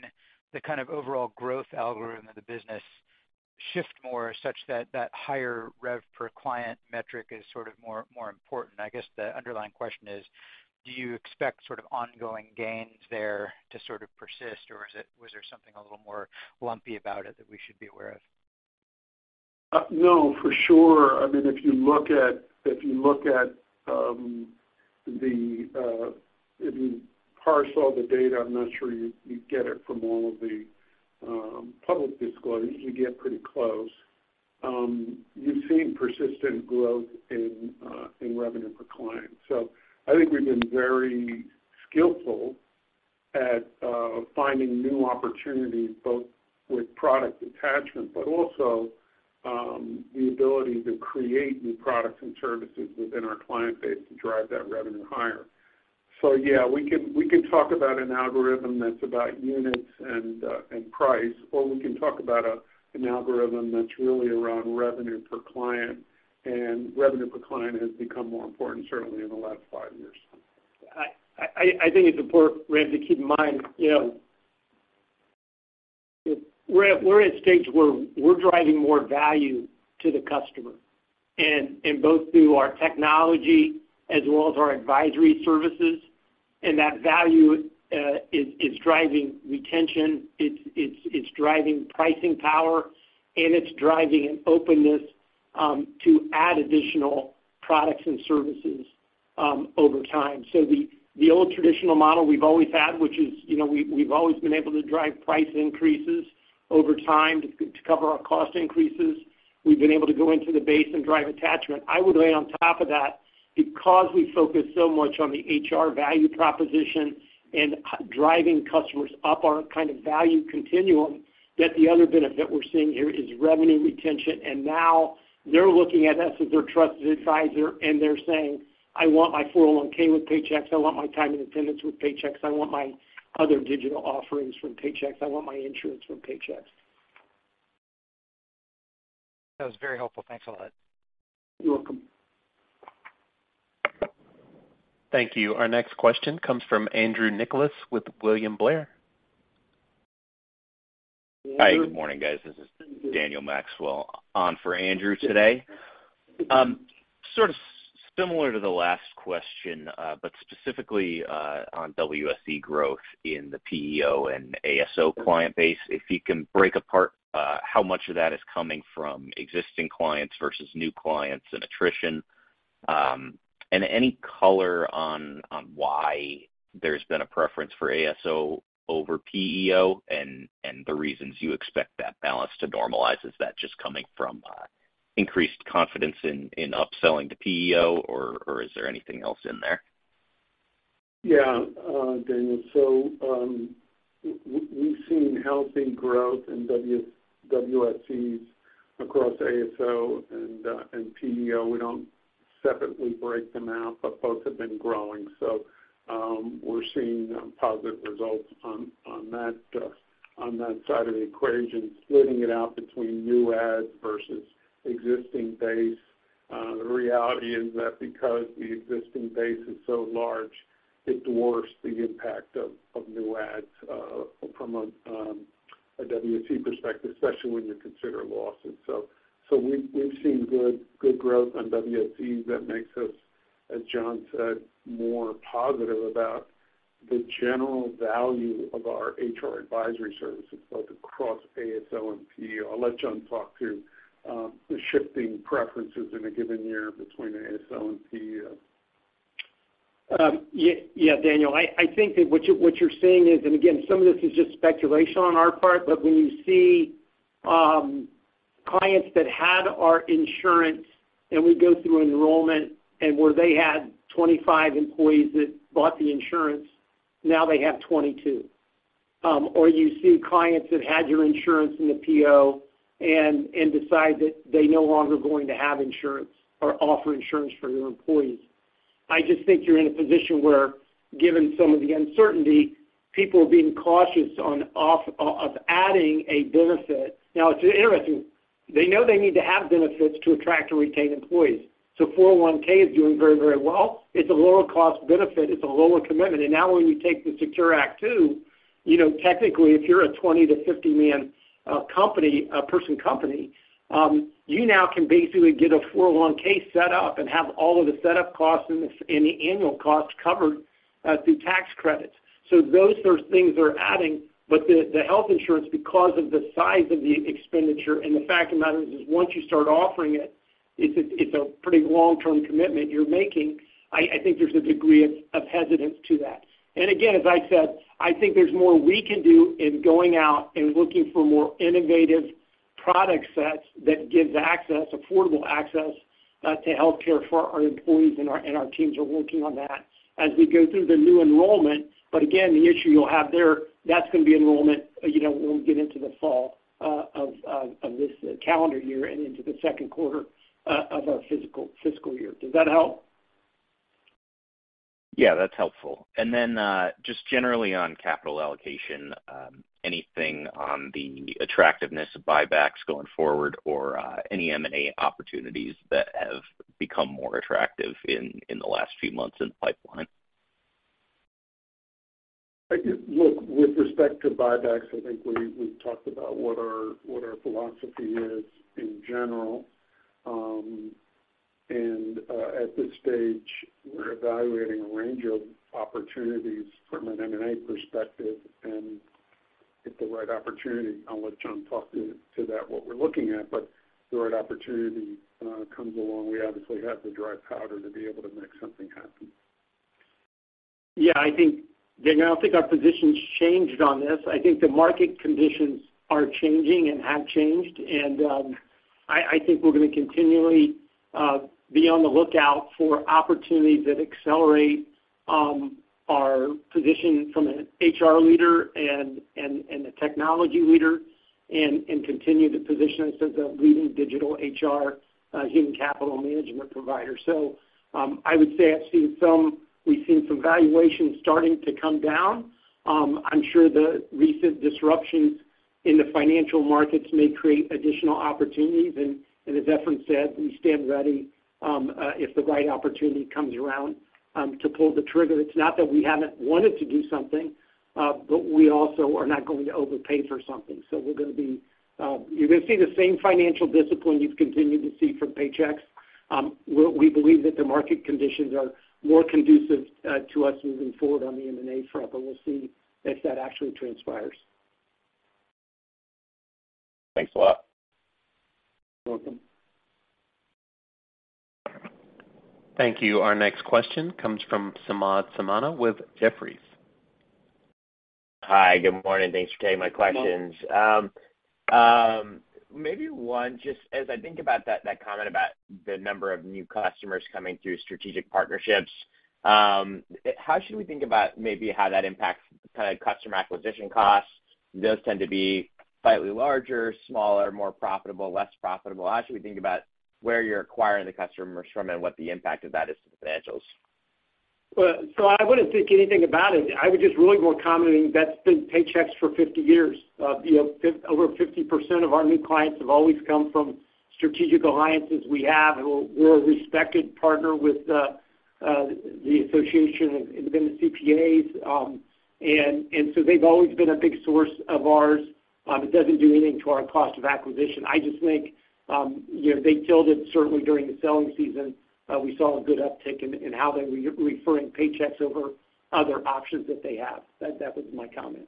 the kind of overall growth algorithm of the business shift more such that that higher rev per client metric is sort of more important? I guess the underlying question is, do you expect sort of ongoing gains there to sort of persist, or was there something a little more lumpy about it that we should be aware of? No, for sure. I mean, if you look at, if you parse all the data, I'm not sure you'd get it from all of the public disclosures, you get pretty close. You've seen persistent growth in revenue per client. I think we've been very skillful at finding new opportunities, both with product attachment, but also the ability to create new products and services within our client base to drive that revenue higher. Yeah, we can talk about an algorithm that's about units and price, or we can talk about an algorithm that's really around revenue per client, and revenue per client has become more important, certainly in the last five years. I think it's important, Randy, to keep in mind, you know, we're at a stage where we're driving more value to the customer and both through our technology as well as our advisory services. That value is driving retention, it's driving pricing power, and it's driving an openness to add additional products and services over time. The old traditional model we've always had, which is, you know, we've always been able to drive price increases over time to cover our cost increases. We've been able to go into the base and drive attachment. I would lay on top of that because we focus so much on the HR value proposition and driving customers up our kind of value continuum, that the other benefit we're seeing here is revenue retention. Now they're looking at us as their trusted advisor, and they're saying, "I want my 401 with Paychex. I want my time and attendance with Paychex. I want my other digital offerings from Paychex. I want my insurance from Paychex. That was very helpful. Thanks a lot. You're welcome. Thank you. Our next question comes from Andrew Nicholas with William Blair. Hi, good morning, guys. This is Daniel Maxwell on for Andrew today. Sort of similar to the last question, but specifically on WSE growth in the PEO and ASO client base, if you can break apart how much of that is coming from existing clients versus new clients and attrition, and any color on why there's been a preference for ASO over PEO and the reasons you expect that balance to normalize. Is that just coming from increased confidence in upselling to PEO or is there anything else in there? Yeah, Daniel. We've seen healthy growth in WSEs across ASO and PEO. We don't separately break them out, but both have been growing. We're seeing positive results on that side of the equation, splitting it out between new adds versus existing base. The reality is that because the existing base is so large, it dwarfs the impact of new adds, from a WSE perspective, especially when you consider losses. We've seen good growth on WSE that makes us, as John said, more positive about the general value of our HR advisory services, both across ASO and PEO. I'll let John talk to the shifting preferences in a given year between ASO and PEO. Yeah, Daniel. I think that what you're seeing is, again, some of this is just speculation on our part. When you see, clients that had our insurance and we go through enrollment and where they had 25 employees that bought the insurance, now they have 22. You see clients that had your insurance in the PEO and decide that they no longer going to have insurance or offer insurance for their employees. I just think you're in a position where, given some of the uncertainty, people are being cautious of adding a benefit. It's interesting. They know they need to have benefits to attract or retain employees. 401 is doing very, very well. It's a lower cost benefit. It's a lower commitment. Now when you take the SECURE 2.0 Act, you know, technically, if you're a 20-50 man, company, person company, you now can basically get a 401 set up and have all of the setup costs and the annual costs covered, through tax credits. Those are things they're adding. The, the health insurance, because of the size of the expenditure and the fact of the matter is once you start offering it's a, it's a pretty long-term commitment you're making, I think there's a degree of hesitance to that. Again, as I said, I think there's more we can do in going out and looking for more innovative product sets that gives access, affordable access, to health care for our employees and our teams are working on that as we go through the new enrollment. Again, the issue you'll have there, that's gonna be enrollment, you know, when we get into the fall, of this calendar year and into the second quarter, of our fiscal year. Does that help? Yeah, that's helpful. Just generally on capital allocation, anything on the attractiveness of buybacks going forward or any M&A opportunities that have become more attractive in the last few months in the pipeline? I think, look, with respect to buybacks, I think we've talked about what our philosophy is in general. At this stage, we're evaluating a range of opportunities from an M&A perspective. If the right opportunity, I'll let John talk to that what we're looking at, but if the right opportunity comes along, we obviously have the dry powder to be able to make something happen. Yeah, I think, Daniel, I think our position's changed on this. I think the market conditions are changing and have changed. I think we're gonna continually be on the lookout for opportunities that accelerate our position from an HR leader and a technology leader and continue to position us as a leading digital HR human capital management provider. I would say we've seen some valuations starting to come down. I'm sure the recent disruptions in the financial markets may create additional opportunities. As Efrain said, we stand ready if the right opportunity comes around to pull the trigger. It's not that we haven't wanted to do something, but we also are not going to overpay for something. We're gonna be... You're going to see the same financial discipline you've continued to see from Paychex. We believe that the market conditions are more conducive to us moving forward on the M&A front. We'll see if that actually transpires. Thanks a lot. You're welcome. Thank you. Our next question comes from Samad Samana with Jefferies. Hi, good morning. Thanks for taking my questions. Good morning. Maybe one, just as I think about that comment about the number of new customers coming through strategic partnerships, how should we think about maybe how that impacts kind of customer acquisition costs? Do those tend to be slightly larger, smaller, more profitable, less profitable? How should we think about where you're acquiring the customers from and what the impact of that is to the financials? I wouldn't think anything about it. I would just really more commenting that's been Paychex for 50 years. You know, over 50% of our new clients have always come from strategic alliances we have. We're a respected partner with the Association of Independent CPAs. They've always been a big source of ours. It doesn't do anything to our cost of acquisition. I just think, you know, they killed it certainly during the selling season. We saw a good uptick in how they were referring Paychex over other options that they have. That was my comment.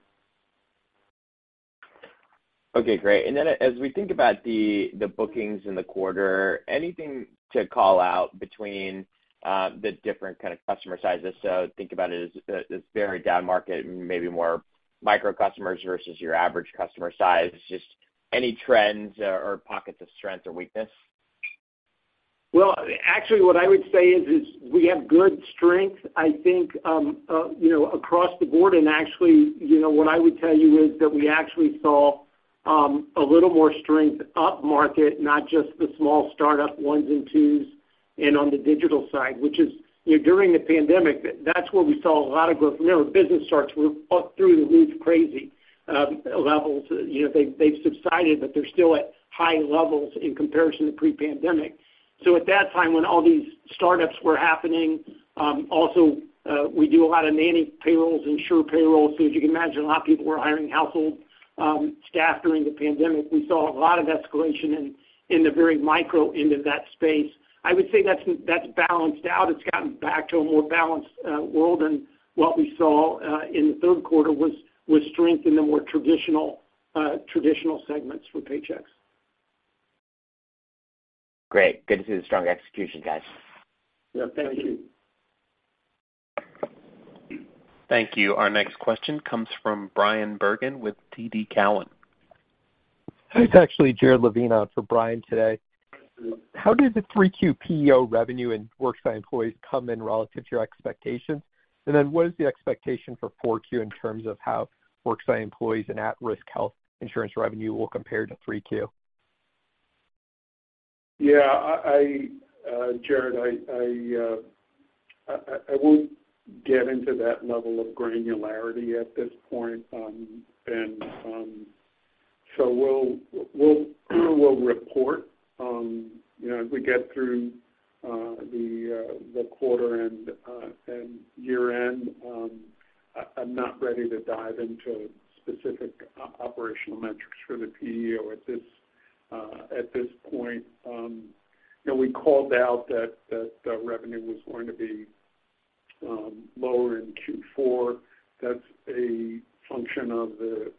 Okay, great. As we think about the bookings in the quarter, anything to call out between the different kind of customer sizes? Think about it as very downmarket and maybe more micro customers versus your average customer size. Just any trends or pockets of strength or weakness? Well, actually, what I would say is, we have good strength, I think, you know, across the board. Actually, you know, what I would tell you is that we actually saw a little more strength upmarket, not just the small startup ones and twos and on the digital side, which is, you know, during the pandemic, that's where we saw a lot of growth. You know, business starts were up through the roof, crazy levels. You know, they've subsided, but they're still at high levels in comparison to pre-pandemic. At that time, when all these startups were happening, also, we do a lot of nanny payrolls, SurePayroll. As you can imagine, a lot of people were hiring household staff during the pandemic. We saw a lot of escalation in the very micro end of that space. I would say that's balanced out. It's gotten back to a more balanced world. What we saw in the third quarter was strength in the more traditional segments for Paychex. Great. Good to see the strong execution, guys. Yeah, thank you. Thank you. Our next question comes from Bryan Bergin with TD Cowen. It's actually Jared Levine for Bryan today. Mm-hmm. How did the 3Q PEO revenue and Worksite Employees come in relative to your expectations? What is the expectation for 4Q in terms of how Worksite Employees and at-risk health insurance revenue will compare to 3Q? Yeah, I, Jared, I won't get into that level of granularity at this point. We'll report, you know, as we get through the quarter and year-end. I'm not ready to dive into specific operational metrics for the PEO at this point. You know, we called out that the revenue was going to be lower in Q4. That's a function of the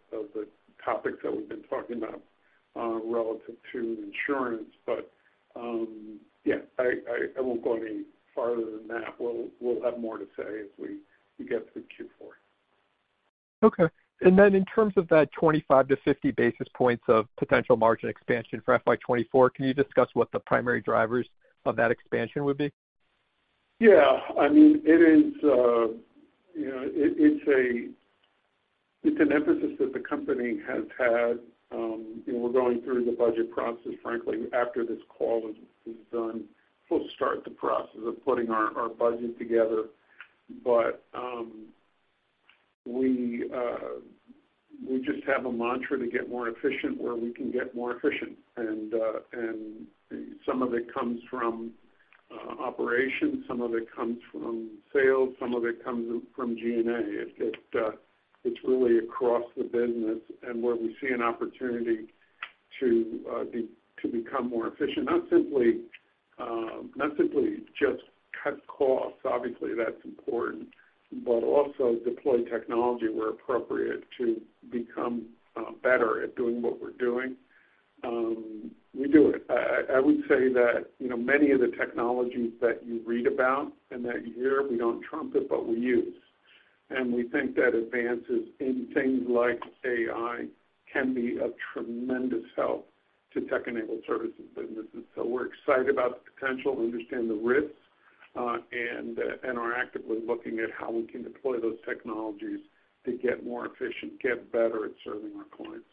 topics that we've been talking about relative to insurance. Yeah, I won't go any farther than that. We'll have more to say as we get through Q4. Okay. Then in terms of that 25-50 basis points of potential margin expansion for FY 2024, can you discuss what the primary drivers of that expansion would be? Yeah. I mean, it's an emphasis that the company has had. You know, we're going through the budget process, frankly, after this call is done. We'll start the process of putting our budget together. We just have a mantra to get more efficient where we can get more efficient. Some of it comes from operations, some of it comes from sales, some of it comes from G&A. It's really across the business. Where we see an opportunity to become more efficient, not simply just cut costs, obviously that's important, but also deploy technology where appropriate to become better at doing what we're doing, we do it. I would say that, you know, many of the technologies that you read about and that you hear, we don't trumpet, but we use. We think that advances in things like AI can be a tremendous help to tech-enabled services businesses. We're excited about the potential, we understand the risks, and are actively looking at how we can deploy those technologies to get more efficient, get better at serving our clients.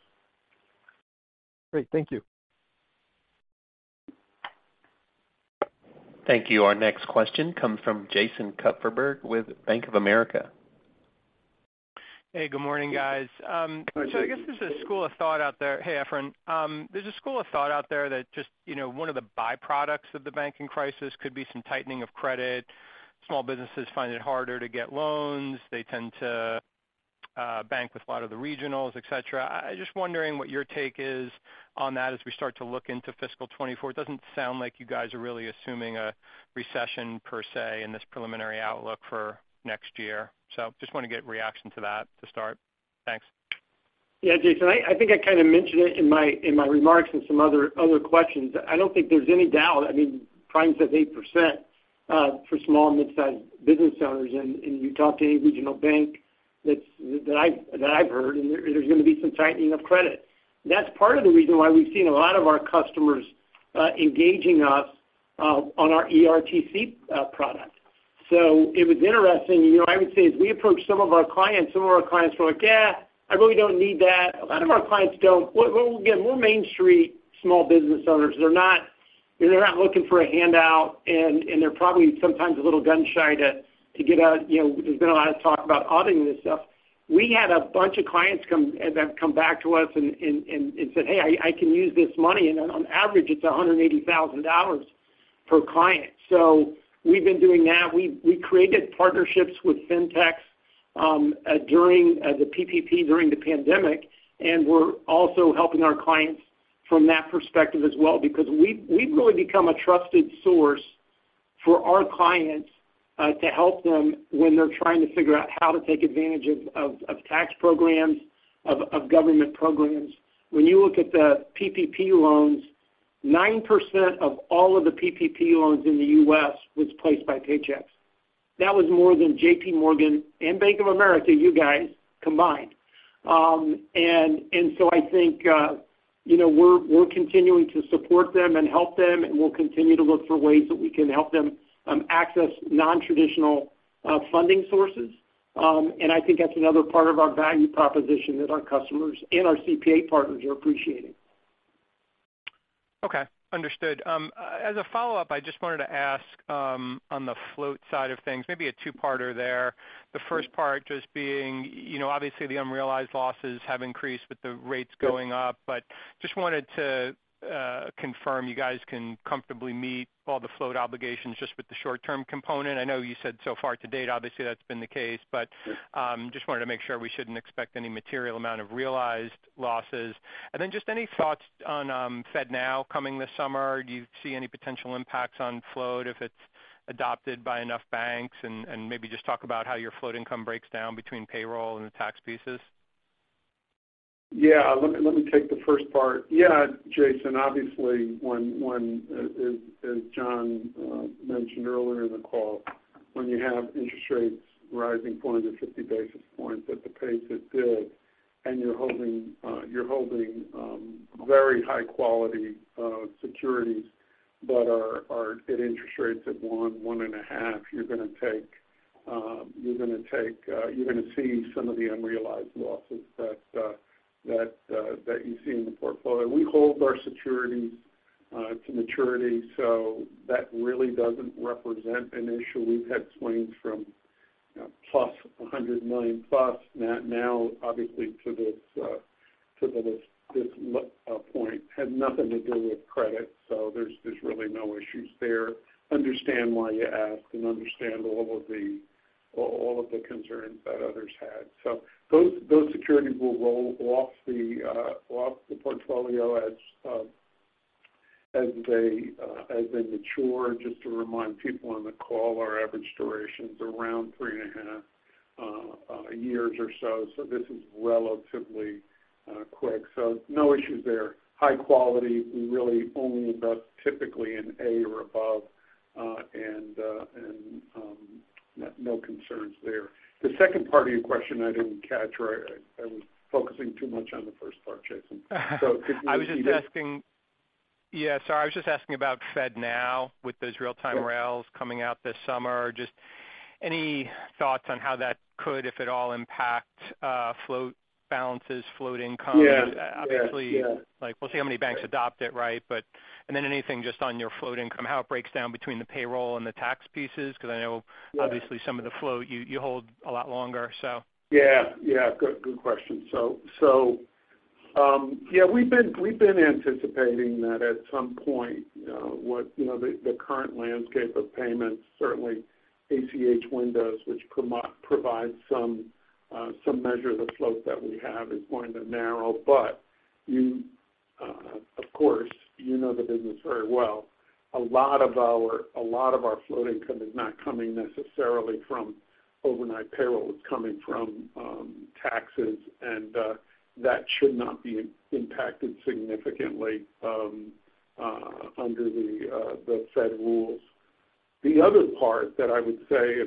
Great. Thank you. Thank you. Our next question comes from Jason Kupferberg with Bank of America. Hey, good morning, guys. I guess there's a school of thought out there. Hey, Efrain. There's a school of thought out there that just, you know, one of the byproducts of the banking crisis could be some tightening of credit. Small businesses find it harder to get loans. They tend to bank with a lot of the regionals, et cetera. I just wondering what your take is on that as we start to look into fiscal 24? It doesn't sound like you guys are really assuming a recession per se in this preliminary outlook for next year. Just wanna get reaction to that to start. Thanks. Yeah, Jason, I think I kind of mentioned it in my remarks and some other questions. I don't think there's any doubt. I mean, prime's at 8% for small and midsize business owners. You talk to any regional bank that I've heard, and there's going to be some tightening of credit. That's part of the reason why we've seen a lot of our customers engaging us on our ERTC product. It was interesting. You know, I would say, as we approach some of our clients, some of our clients were like, "Yeah, I really don't need that." A lot of our clients don't. We're Main Street small business owners. They're not, you know, they're not looking for a handout, and they're probably sometimes a little gun-shy to get out. You know, there's been a lot of talk about auditing this stuff. We had a bunch of clients come that come back to us and said, "Hey, I can use this money." On average, it's $180,000 per client. We've been doing that. We created partnerships with Fintechs during the PPP during the pandemic, and we're also helping our clients from that perspective as well because we've really become a trusted source for our clients to help them when they're trying to figure out how to take advantage of tax programs, of government programs. When you look at the PPP loans, 9% of all of the PPP loans in the U.S. was placed by Paychex. That was more than JPMorgan and Bank of America, you guys, combined. I think, you know, we're continuing to support them and help them, and we'll continue to look for ways that we can help them, access non-traditional, funding sources. I think that's another part of our value proposition that our customers and our CPA partners are appreciating. Okay. Understood. As a follow-up, I just wanted to ask, on the float side of things, maybe a two-parter there. The first part just being, you know, obviously, the unrealized losses have increased with the rates going up, but just wanted to confirm you guys can comfortably meet all the float obligations just with the short-term component. I know you said so far to date, obviously, that's been the case, but just wanted to make sure we shouldn't expect any material amount of realized losses. Then just any thoughts on FedNow coming this summer? Do you see any potential impacts on float if it's adopted by enough banks? Maybe just talk about how your float income breaks down between payroll and the tax pieces. Yeah. Let me take the first part. Yeah, Jason, obviously, when as John mentioned earlier in the call, when you have interest rates rising 450 basis points at the pace it did, and you're holding, you're holding very high quality securities but are at interest rates at 1.5, you're gonna take, you're gonna take, you're gonna see some of the unrealized losses that you see in the portfolio. We hold our securities to maturity, so that really doesn't represent an issue. We've had swings from, you know, +$100 million plus now obviously to this, to this point. Had nothing to do with credit, so there's really no issues there. Understand why you ask and understand all of the concerns that others had. Those securities will roll off the off the portfolio as as they mature. Just to remind people on the call, our average duration's around 3.5 years or so this is relatively quick. No issues there. High quality, we really only invest typically in A or above, and no concerns there. The second part of your question I didn't catch. I was focusing too much on the first part, Jason. Could you repeat it? Yeah, sorry, I was just asking about FedNow with those real-time rails coming out this summer. Just any thoughts on how that could, if at all, impact float balances, float income? Yeah. Yeah. Yeah. Obviously, like we'll see how many banks adopt it, right? Then anything just on your float income, how it breaks down between the payroll and the tax pieces? 'Cause I know. Yeah. Obviously some of the float you hold a lot longer. Yeah, yeah. Good question. Yeah, we've been anticipating that at some point, what, you know, the current landscape of payments, certainly ACH windows, which provide some measure of the float that we have is going to narrow. You, of course, you know the business very well. A lot of our float income is not coming necessarily from overnight payroll. It's coming from taxes, and that should not be impacted significantly under the Fed rules. The other part that I would say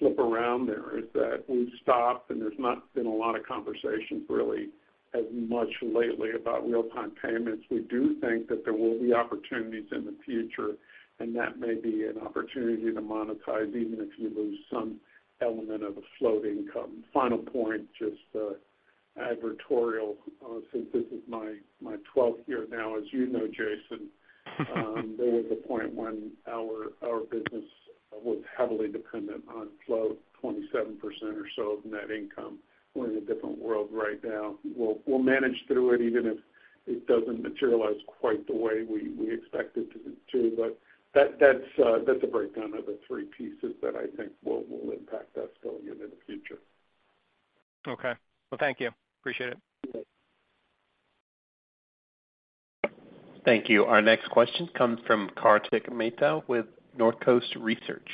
and flip around there is that we've stopped, and there's not been a lot of conversations really as much lately about real-time payments. We do think that there will be opportunities in the future, that may be an opportunity to monetize even if you lose some element of a float income. Final point, just advertorial since this is my 12th year now, as you know, Jason. There was a point when our business was heavily dependent on float, 27% or so of net income. We're in a different world right now. We'll manage through it even if it doesn't materialize quite the way we expect it to do. That's a breakdown of the three pieces that I think will impact us going into the future. Okay. Well, thank you. Appreciate it. Okay. Thank you. Our next question comes from Kartik Mehta with Northcoast Research.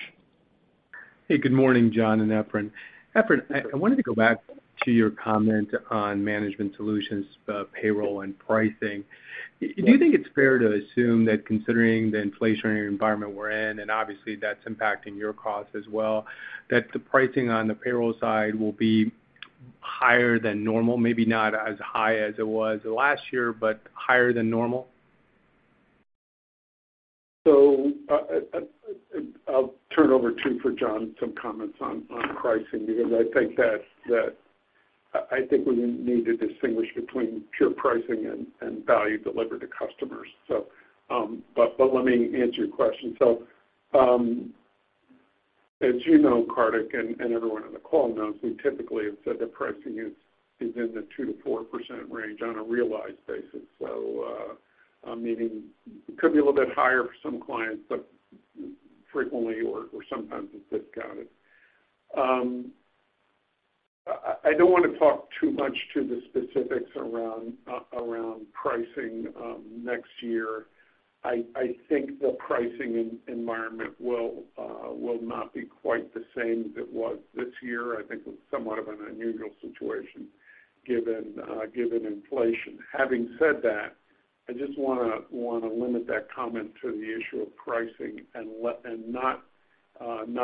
Hey, good morning, John and Efrain. Efrain, I wanted to go back to your comment on management solutions, payroll, and pricing. Do you think it's fair to assume that considering the inflationary environment we're in, and obviously, that's impacting your costs as well, that the pricing on the payroll side will be higher than normal, maybe not as high as it was last year, but higher than normal? I'll turn over to John some comments on pricing because I think that's that. I think we need to distinguish between pure pricing and value delivered to customers. Let me answer your question. As you know, Kartik Mehta, and everyone on the call knows, we typically have said that pricing is in the 2%-4% range on a realized basis. Meaning it could be a little bit higher for some clients, but frequently or sometimes it's discounted. I don't wanna talk too much to the specifics around pricing next year. I think the pricing environment will not be quite the same as it was this year. I think it was somewhat of an unusual situation given inflation. Having said that, I just wanna limit that comment to the issue of pricing and let and not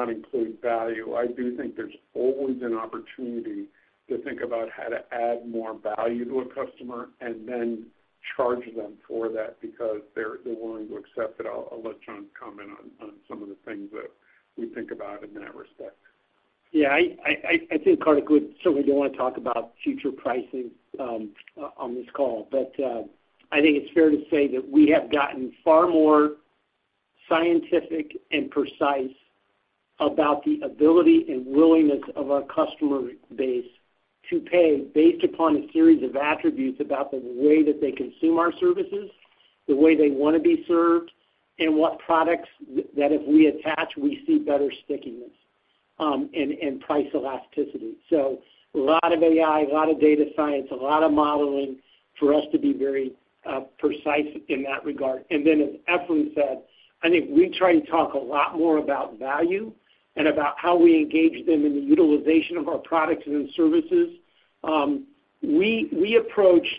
include value. I do think there's always an opportunity to think about how to add more value to a customer and then charge them for that because they're willing to accept it. I'll let John comment on some of the things that we think about in that respect. Yeah, I think, Kartik, we certainly don't wanna talk about future pricing on this call. I think it's fair to say that we have gotten far more scientific and precise about the ability and willingness of our customer base to pay based upon a series of attributes about the way that they consume our services, the way they wanna be served, and what products that if we attach, we see better stickiness and price elasticity. A lot of AI, a lot of data science, a lot of modeling for us to be very precise in that regard. As Efrain said, I think we try and talk a lot more about value and about how we engage them in the utilization of our products and services. We approached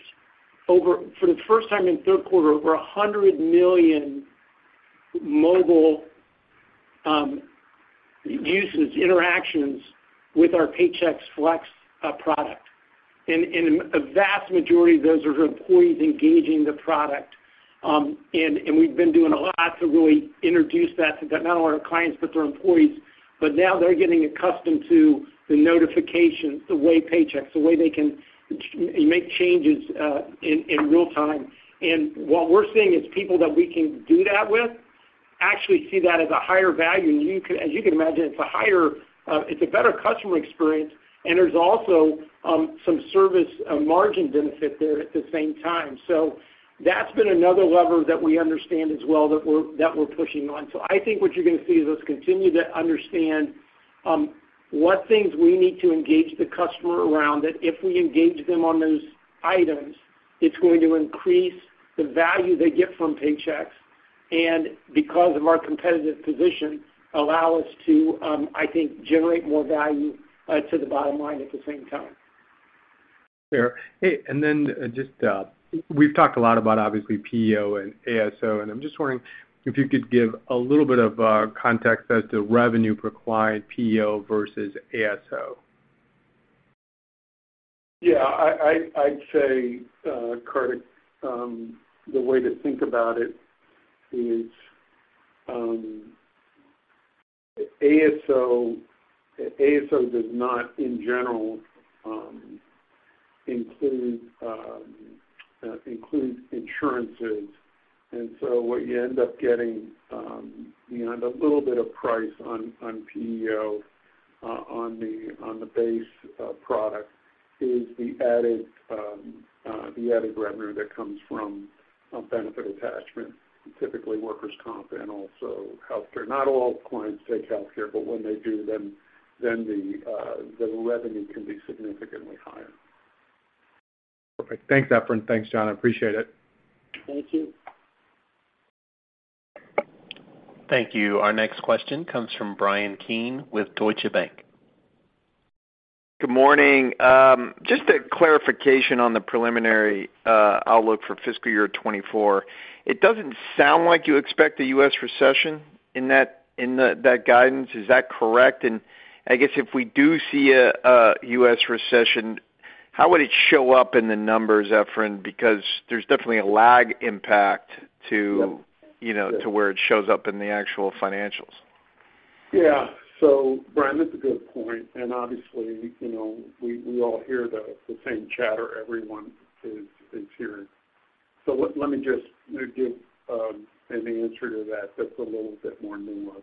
over... for the first time in third quarter, over 100 million mobile uses, interactions with our Paychex Flex product. A vast majority of those are employees engaging the product. We've been doing a lot to really introduce that to not only our clients, but their employees. Now they're getting accustomed to the notification, the way Paychex, the way they can make changes in real time. What we're seeing is people that we can do that with actually see that as a higher value. As you can imagine, it's a higher, it's a better customer experience, and there's also some service margin benefit there at the same time. That's been another lever that we understand as well that we're pushing on. I think what you're gonna see is us continue to understand what things we need to engage the customer around, that if we engage them on those items, it's going to increase the value they get from Paychex. Because of our competitive position, allow us to, I think generate more value to the bottom line at the same time. Sure. Hey, and then just, we've talked a lot about obviously PEO and ASO, and I'm just wondering if you could give a little bit of context as to revenue per client PEO versus ASO. Yeah. I'd say Kartik, the way to think about it is, ASO does not, in general, includes insurances. What you end up getting, you know, and a little bit of price on PEO, on the base product is the added revenue that comes from a benefit attachment, typically workers' comp and also healthcare. Not all clients take healthcare, but when they do, then the revenue can be significantly higher. Perfect. Thanks, Efrain. Thanks, John. I appreciate it. Thank you. Thank you. Our next question comes from Bryan Keane with Deutsche Bank. Good morning. Just a clarification on the preliminary outlook for fiscal year 2024. It doesn't sound like you expect a U.S. recession in that guidance. Is that correct? I guess if we do see a U.S. recession, how would it show up in the numbers, Efrain, because there's definitely a lag impact to. Yep... you know, to where it shows up in the actual financials. Yeah. Bryan, that's a good point, and obviously, you know, we all hear the same chatter everyone is hearing. Let me just, you know, give an answer to that that's a little bit more nuanced.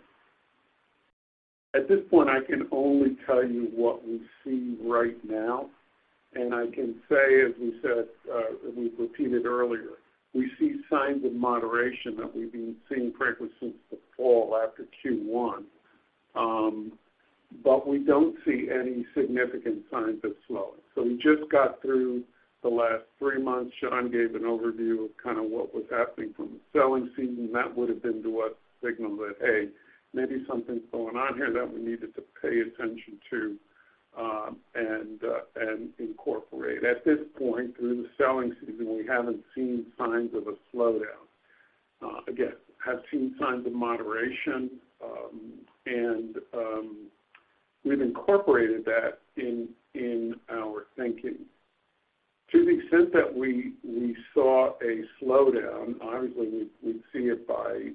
At this point, I can only tell you what we see right now. I can say, as we said, as we've repeated earlier, we see signs of moderation that we've been seeing frankly since the fall after Q1. We don't see any significant signs of slowing. We just got through the last three months. John gave an overview of kinda what was happening from the selling season. That would've been to us a signal that, hey, maybe something's going on here that we needed to pay attention to, and incorporate. At this point, through the selling season, we haven't seen signs of a slowdown. again, have seen signs of moderation, and we've incorporated that in our thinking. To the extent that we saw a slowdown, obviously, we'd see it by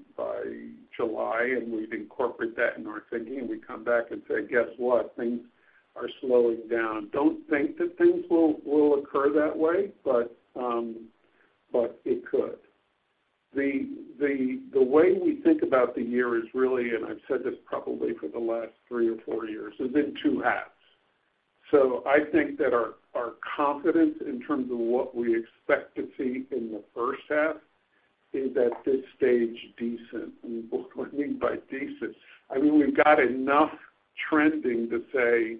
July, and we'd incorporate that in our thinking, and we'd come back and say, "Guess what? Things are slowing down." Don't think that things will occur that way, but it could. The way we think about the year is really, and I've said this probably for the last thre or four years, is in two halves. So I think that our confidence in terms of what we expect to see in the first half is at this stage decent. What do I mean by decent? I mean, we've got enough trending to say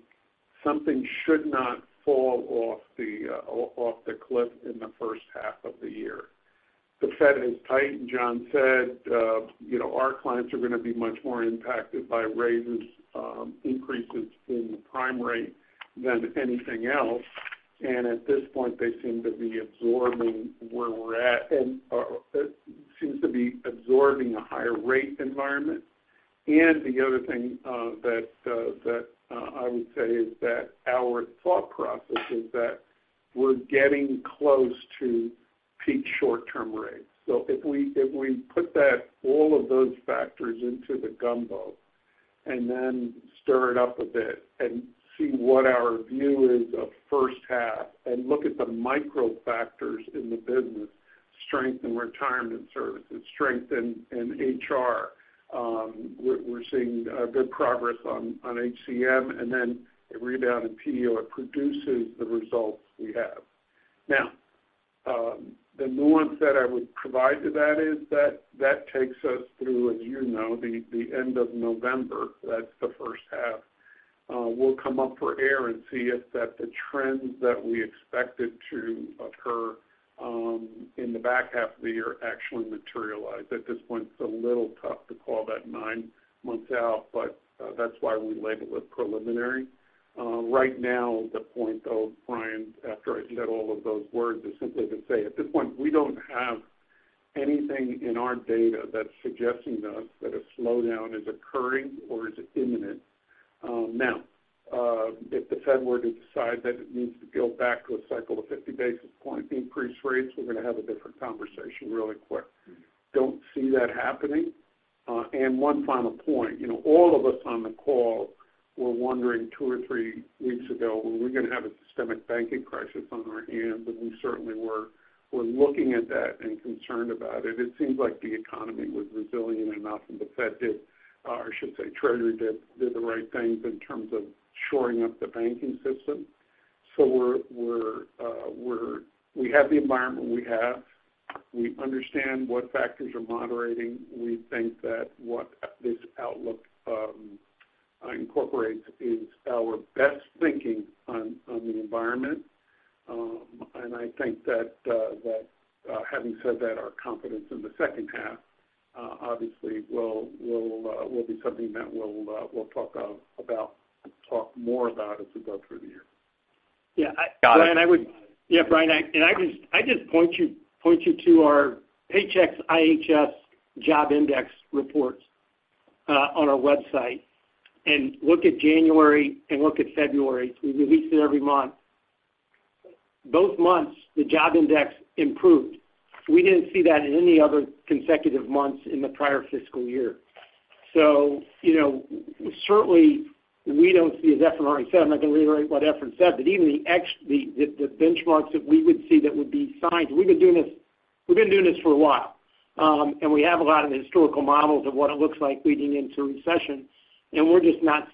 something should not fall off the off the cliff in the first half of the year. The Fed has tightened. John said, you know, our clients are gonna be much more impacted by raises, increases in the prime rate than anything else. At this point, they seem to be absorbing where we're at and seems to be absorbing a higher rate environment. The other thing that that I would say is that our thought process is that we're getting close to peak short-term rates. If we put that, all of those factors into the gumbo and then stir it up a bit and see what our view is of first half and look at the micro factors in the business, strength in retirement services, strength in HR, we're seeing good progress on HCM, and then a rebound in PEO, it produces the results we have. The nuance that I would provide to that is that that takes us through, as you know, the end of November. That's the first half. We'll come up for air and see if that the trends that we expected to occur in the back half of the year actually materialize. At this point, it's a little tough to call that nine months out, but that's why we label it preliminary. Right now, the point though, Bryan, after I said all of those words is simply to say, at this point, we don't have anything in our data that's suggesting to us that a slowdown is occurring or is imminent. Now, if the Fed were to decide that it needs to go back to a cycle of 50 basis point increase rates, we're gonna have a different conversation really quick. Don't see that happening. One final point. You know, all of us on the call were wondering two or three weeks ago, were we gonna have a systemic banking crisis on our hands? We certainly were looking at that and concerned about it. It seems like the economy was resilient enough, and the Fed did, or I should say Treasury did the right things in terms of shoring up the banking system. We have the environment we have. We understand what factors are moderating. We think that what this outlook incorporates is our best thinking on the environment. I think that, having said that, our confidence in the second half, obviously will be something that we'll talk about, talk more about as we go through the year. Yeah. Got it. Bryan, I just point you to our Paychex | IHS Markit Small Business Employment Watch reports on our website, and look at January and look at February. We release it every month. Both months, the Jobs Index improved. We didn't see that in any other consecutive months in the prior fiscal year. You know, certainly we don't see, as Efrain said, I'm not gonna reiterate what Efrain said, but even the benchmarks that we would see that would be signs, we've been doing this for a while. And we have a lot of the historical models of what it looks like leading into recession, and we're just not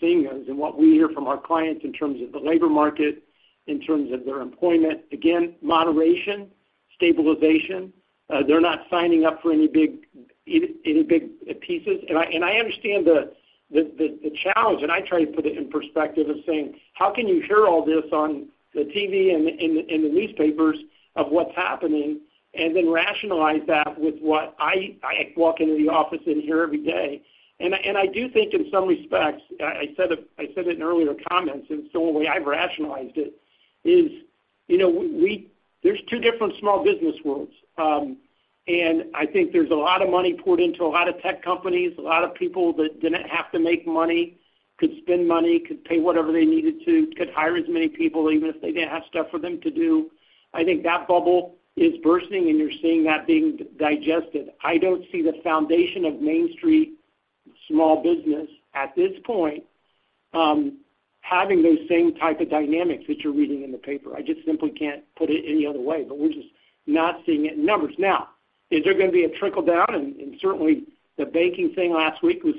seeing those. What we hear from our clients in terms of the labor market, in terms of their employment, again, moderation, stabilization, they're not signing up for any big pieces. I understand the challenge, and I try to put it in perspective of saying, how can you hear all this on the TV and the newspapers of what's happening, and then rationalize that with what I walk into the office and hear every day. I do think in some respects, I said it in earlier comments, the way I've rationalized it is, you know, we there's two different small business worlds. I think there's a lot of money poured into a lot of tech companies, a lot of people that didn't have to make money, could spend money, could pay whatever they needed to, could hire as many people, even if they didn't have stuff for them to do. I think that bubble is bursting, and you're seeing that being digested. I don't see the foundation of Main Street small business at this point, having those same type of dynamics that you're reading in the paper. I just simply can't put it any other way. We're just not seeing it in numbers. Now, is there gonna be a trickle-down? Certainly the banking thing last week was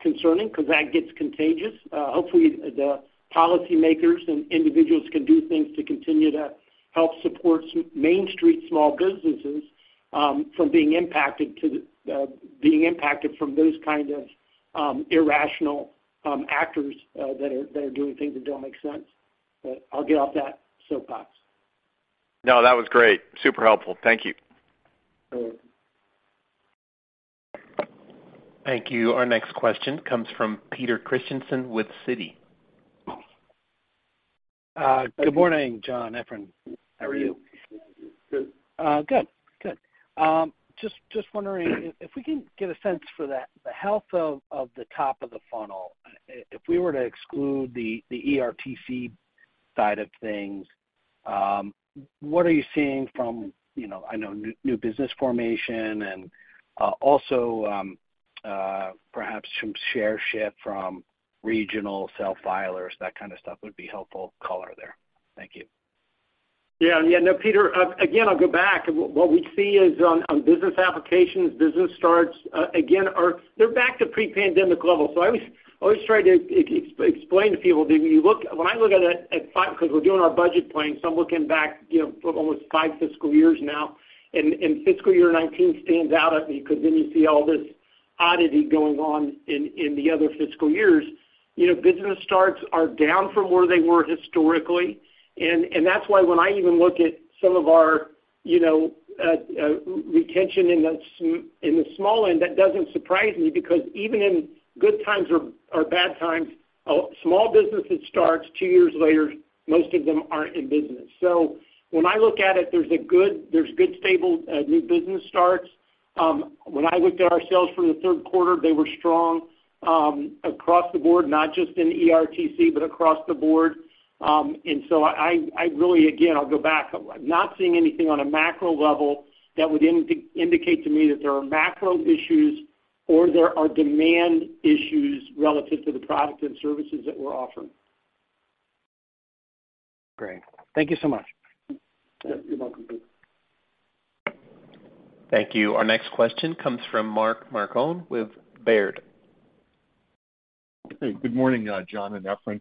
concerning because that gets contagious. Hopefully, the policymakers and individuals can do things to continue to help support Main Street small businesses, from being impacted from those kind of, irrational, actors, that are doing things that don't make sense. I'll get off that soapbox. No, that was great. Super helpful. Thank you. Sure. Thank you. Our next question comes from Peter Christiansen with Citi. Good morning, John, Efrain. How are you? Good. Good. Just wondering if we can get a sense for the health of the top of the funnel. If we were to exclude the ERTC side of things, what are you seeing from, you know, I know new business formation and also perhaps some share shift from regional self-filers, that kind of stuff would be helpful color there. Thank you. Yeah. Yeah. No, Peter, again, I'll go back. What we see is on business applications, business starts, again, They're back to pre-pandemic levels. I always try to explain to people that when I look at it at five, because we're doing our budget planning, so I'm looking back, you know, for almost five fiscal years now. Fiscal year 19 stands out at me because then you see all this oddity going on in the other fiscal years. You know, business starts are down from where they were historically. That's why when I even look at some of our, you know, retention in the small end, that doesn't surprise me because even in good times or bad times, small businesses starts, two years later, most of them aren't in business. When I look at it, there's good, stable, new business starts. When I looked at our sales for the third quarter, they were strong across the board, not just in ERTC, but across the board. I really, again, I'll go back. I'm not seeing anything on a macro level that would indicate to me that there are macro issues or there are demand issues relative to the products and services that we're offering. Great. Thank you so much. Yeah. You're welcome, Peter. Thank you. Our next question comes from Mark Marcon with Baird. Hey, good morning, John and Efrain. Hi, Mark.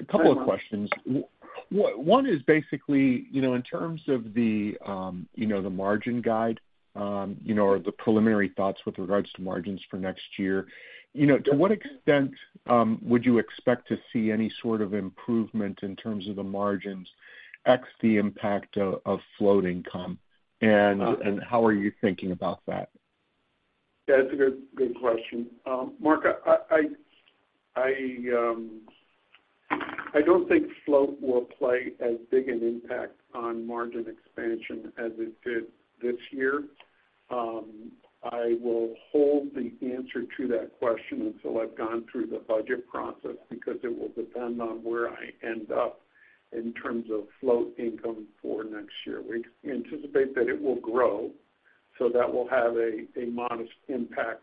A couple of questions. One is basically, you know, in terms of the, you know, the margin guide, you know, or the preliminary thoughts with regards to margins for next year. You know, to what extent, would you expect to see any sort of improvement in terms of the margins, ex the impact of float income? How are you thinking about that? That's a good question. Mark, I don't think float will play as big an impact on margin expansion as it did this year. I will hold the answer to that question until I've gone through the budget process because it will depend on where I end up in terms of float income for next year. We anticipate that it will grow, so that will have a modest impact.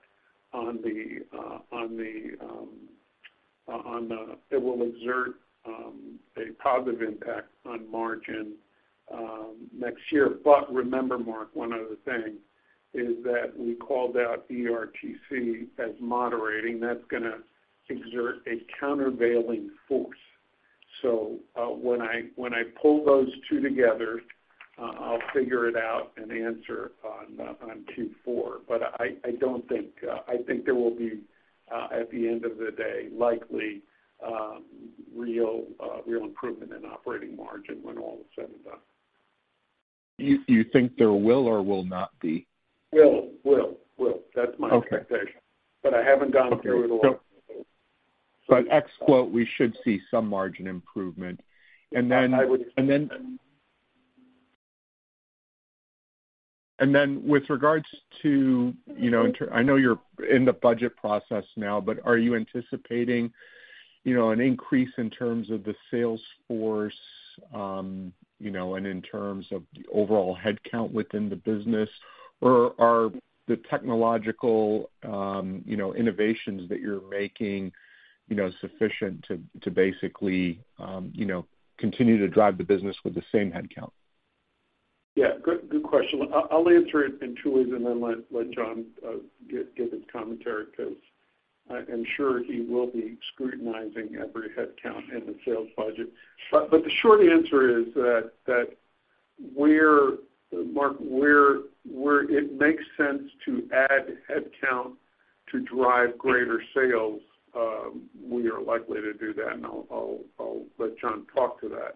It will exert a positive impact on margin next year. Remember, Mark, one other thing is that we called out ERTC as moderating. That's gonna exert a countervailing force. When I pull those two together, I'll figure it out and answer on two, four. I don't think... I think there will be, at the end of the day, likely, real improvement in operating margin when all is said and done. You think there will or will not be? Will. Okay. That's my expectation. I haven't gone through it all. ex quote, we should see some margin improvement. I. And then with regards to, you know, I know you're in the budget process now, but are you anticipating you know, an increase in terms of the sales force, you know, and in terms of the overall headcount within the business, or are the technological, you know, innovations that you're making, you know, sufficient to basically, you know, continue to drive the business with the same headcount? Yeah. Good question. I'll answer it in two ways and then let John give his commentary 'cause I am sure he will be scrutinizing every headcount in the sales budget. The short answer is that where Mark, where it makes sense to add headcount to drive greater sales, we are likely to do that, and I'll let John talk to that.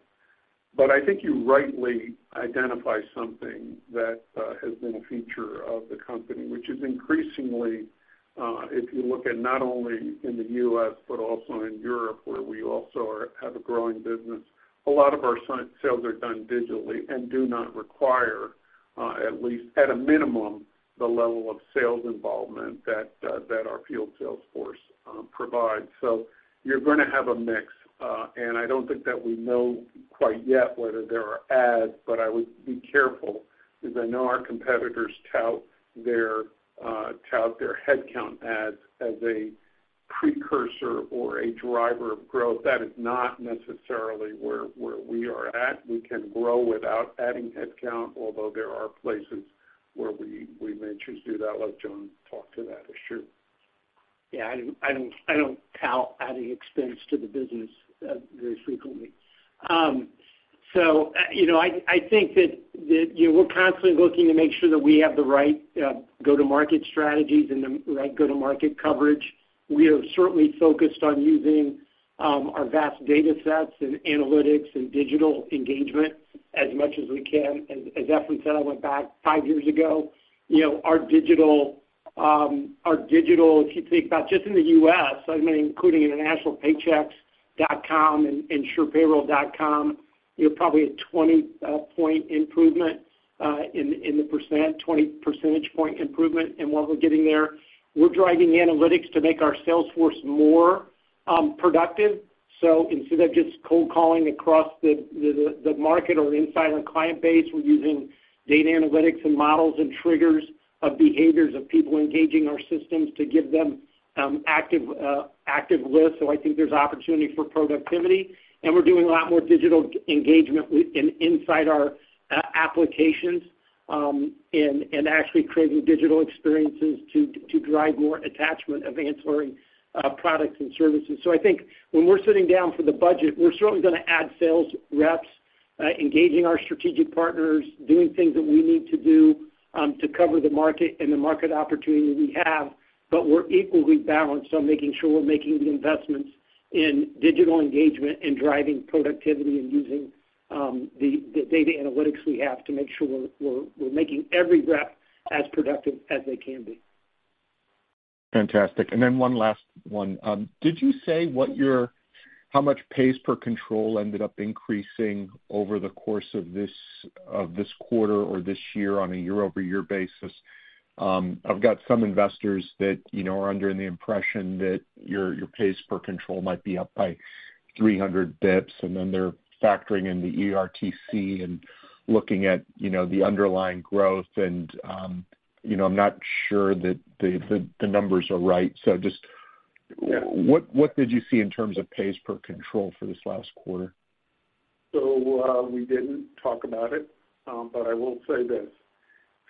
I think you rightly identify something that has been a feature of the company, which is increasingly, if you look at not only in the U.S. but also in Europe, where we also have a growing business, a lot of our sales are done digitally and do not require, at least at a minimum, the level of sales involvement that our field sales force provides. You're gonna have a mix, and I don't think that we know quite yet whether there are adds, but I would be careful because I know our competitors tout their, tout their headcount adds as a precursor or a driver of growth. That is not necessarily where we are at. We can grow without adding headcount, although there are places where we may choose to do that. Let John talk to that issue. Yeah. I don't tout adding expense to the business very frequently. You know, I think that, you know, we're constantly looking to make sure that we have the right go-to-market strategies and the right go-to-market coverage. We are certainly focused on using our vast data sets and analytics and digital engagement as much as we can. As Efrain said, I went back five years ago. You know, our digital, if you think about just in the U.S., I mean, including international paychex.com and surepayroll.com, you know, probably a 20 point improvement in the percent, 20 percentage point improvement in what we're getting there. We're driving analytics to make our sales force more productive. Instead of just cold calling across the market or inside our client base, we're using data analytics and models and triggers of behaviors of people engaging our systems to give them active lists. I think there's opportunity for productivity. We're doing a lot more digital e-engagement inside our applications and actually creating digital experiences to drive more attachment of ancillary products and services. I think when we're sitting down for the budget, we're certainly gonna add sales reps, engaging our strategic partners, doing things that we need to do to cover the market and the market opportunity we have. We're equally balanced on making sure we're making the investments in digital engagement and driving productivity and using the data analytics we have to make sure we're making every rep as productive as they can be. Fantastic. One last one. Did you say how much pace per control ended up increasing over the course of this, of this quarter or this year on a year-over-year basis? I've got some investors that, you know, are under the impression that your pace per control might be up by 300 basis points, and then they're factoring in the ERTC and looking at, you know, the underlying growth. You know, I'm not sure that the numbers are right. Yeah. What did you see in terms of pace per control for this last quarter? We didn't talk about it. I will say this,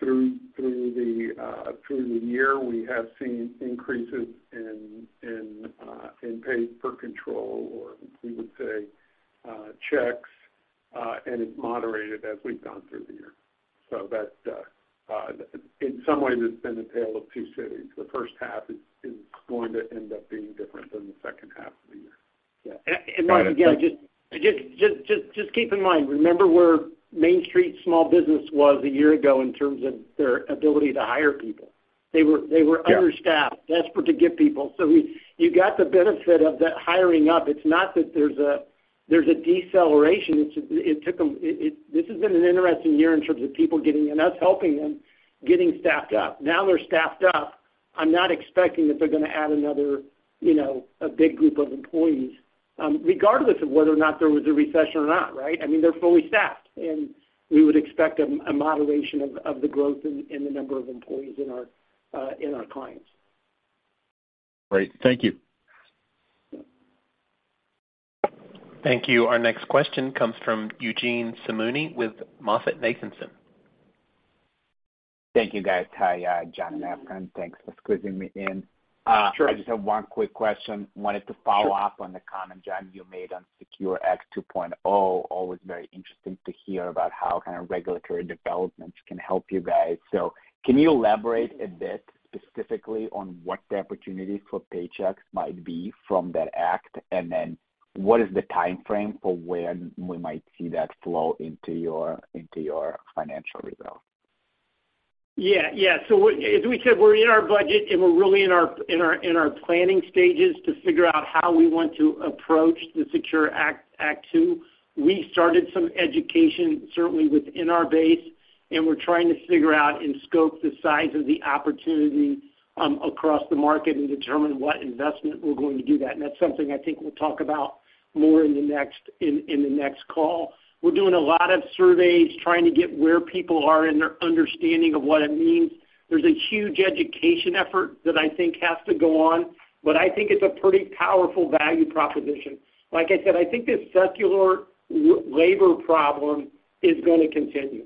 through the year, we have seen increases in pay per control, or we would say, checks, and it moderated as we've gone through the year. That, in some ways, it's been a tale of two cities. The first half is going to end up being different than the second half of the year. Yeah. Again, just keep in mind, remember where Main Street small business was a year ago in terms of their ability to hire people. They were. Yeah understaffed, desperate to get people. You got the benefit of that hiring up. It's not that there's a deceleration. This has been an interesting year in terms of people getting and us helping them getting staffed up. Now they're staffed up, I'm not expecting that they're gonna add another, you know, a big group of employees, regardless of whether or not there was a recession or not, right? I mean, they're fully staffed, and we would expect a moderation of the growth in the number of employees in our clients. Great. Thank you. Thank you. Our next question comes from Eugene Simuni with MoffettNathanson. Thank you, guys. Hi, John and Efrain. Thanks for squeezing me in. Sure. I just have one quick question. Wanted to follow up on the comment, John, you made on SECURE 2.0 Act. Always very interesting to hear about how kind of regulatory developments can help you guys. Can you elaborate a bit specifically on what the opportunities for Paychex might be from that act? What is the timeframe for when we might see that flow into your, into your financial results? Yeah. Yeah. As we said, we're in our budget, and we're really in our planning stages to figure out how we want to approach the Secure Act 2. We started some education certainly within our base, and we're trying to figure out and scope the size of the opportunity across the market and determine what investment we're going to do that. That's something I think we'll talk about more in the next, in the next call. We're doing a lot of surveys trying to get where people are in their understanding of what it means. There's a huge education effort that I think has to go on, but I think it's a pretty powerful value proposition. Like I said, I think this secular labor problem is gonna continue.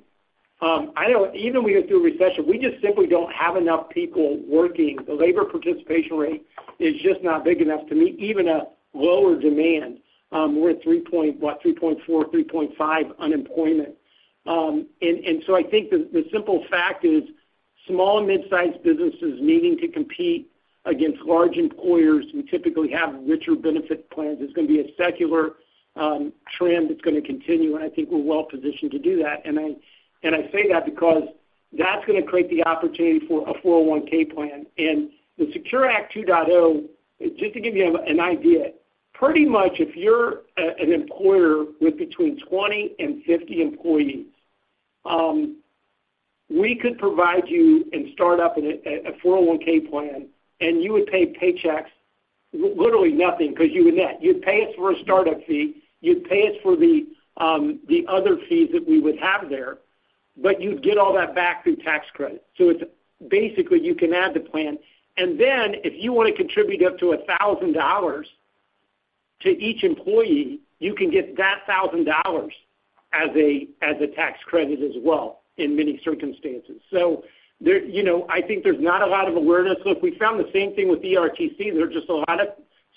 I know even we go through a recession, we just simply don't have enough people working. The labor participation rate is just not big enough to meet even a lower demand. We're at three point what? 3.4, 3.5 unemployment. I think the simple fact is small and mid-sized businesses needing to compete against large employers who typically have richer benefit plans is gonna be a secular trend that's gonna continue, and I think we're well positioned to do that. I say that because that's gonna create the opportunity for a 401 plan. The SECURE 2.0 Act, just to give you an idea, pretty much if you're an employer with between 20 and 50 employees, we could provide you and start up a 401 plan, and you would pay Paychex literally nothing because you would net. You'd pay us for a start-up fee. You'd pay us for the other fees that we would have there, but you'd get all that back through tax credit. It's basically you can add the plan, and then if you wanna contribute up to $1,000 to each employee, you can get that $1,000 as a tax credit as well in many circumstances. There, you know, I think there's not a lot of awareness. Look, we found the same thing with ERTC. There are just a lot of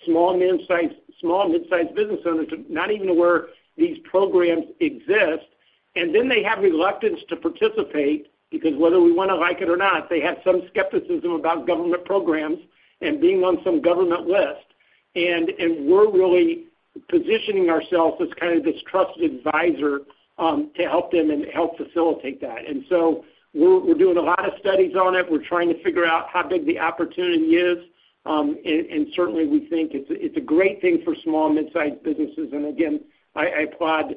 small, mid-sized business owners who not even aware these programs exist. Then they have reluctance to participate because whether we wanna like it or not, they have some skepticism about government programs and being on some government list. We're really positioning ourselves as kind of this trusted advisor to help them and help facilitate that. So we're doing a lot of studies on it. We're trying to figure out how big the opportunity is. Certainly we think it's a great thing for small and mid-sized businesses. Again, I applaud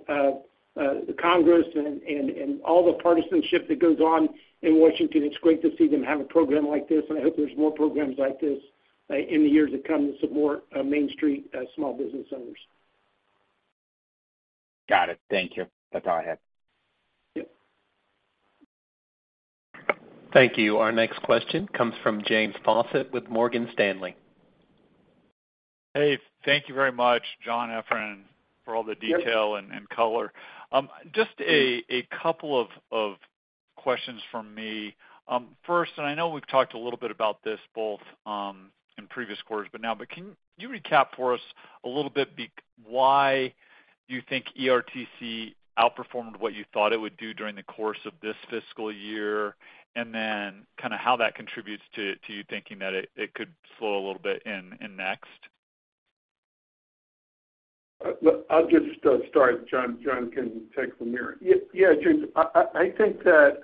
the Congress and all the partisanship that goes on in Washington. It's great to see them have a program like this, and I hope there's more programs like this, in the years to come to support, Main Street, small business owners. Got it. Thank you. That's all I had. Yep. Thank you. Our next question comes from James Faucette with Morgan Stanley. Hey, thank you very much, John, Efrain, for all the detail. Yep... and color. Just a couple of questions from me. First, and I know we've talked a little bit about this both in previous quarters, but now, but can you recap for us a little bit why you think ERTC outperformed what you thought it would do during the course of this fiscal year? Then kinda how that contributes to you thinking that it could slow a little bit in next. Look, I'll just start. John can take from here. Yeah, James. I think that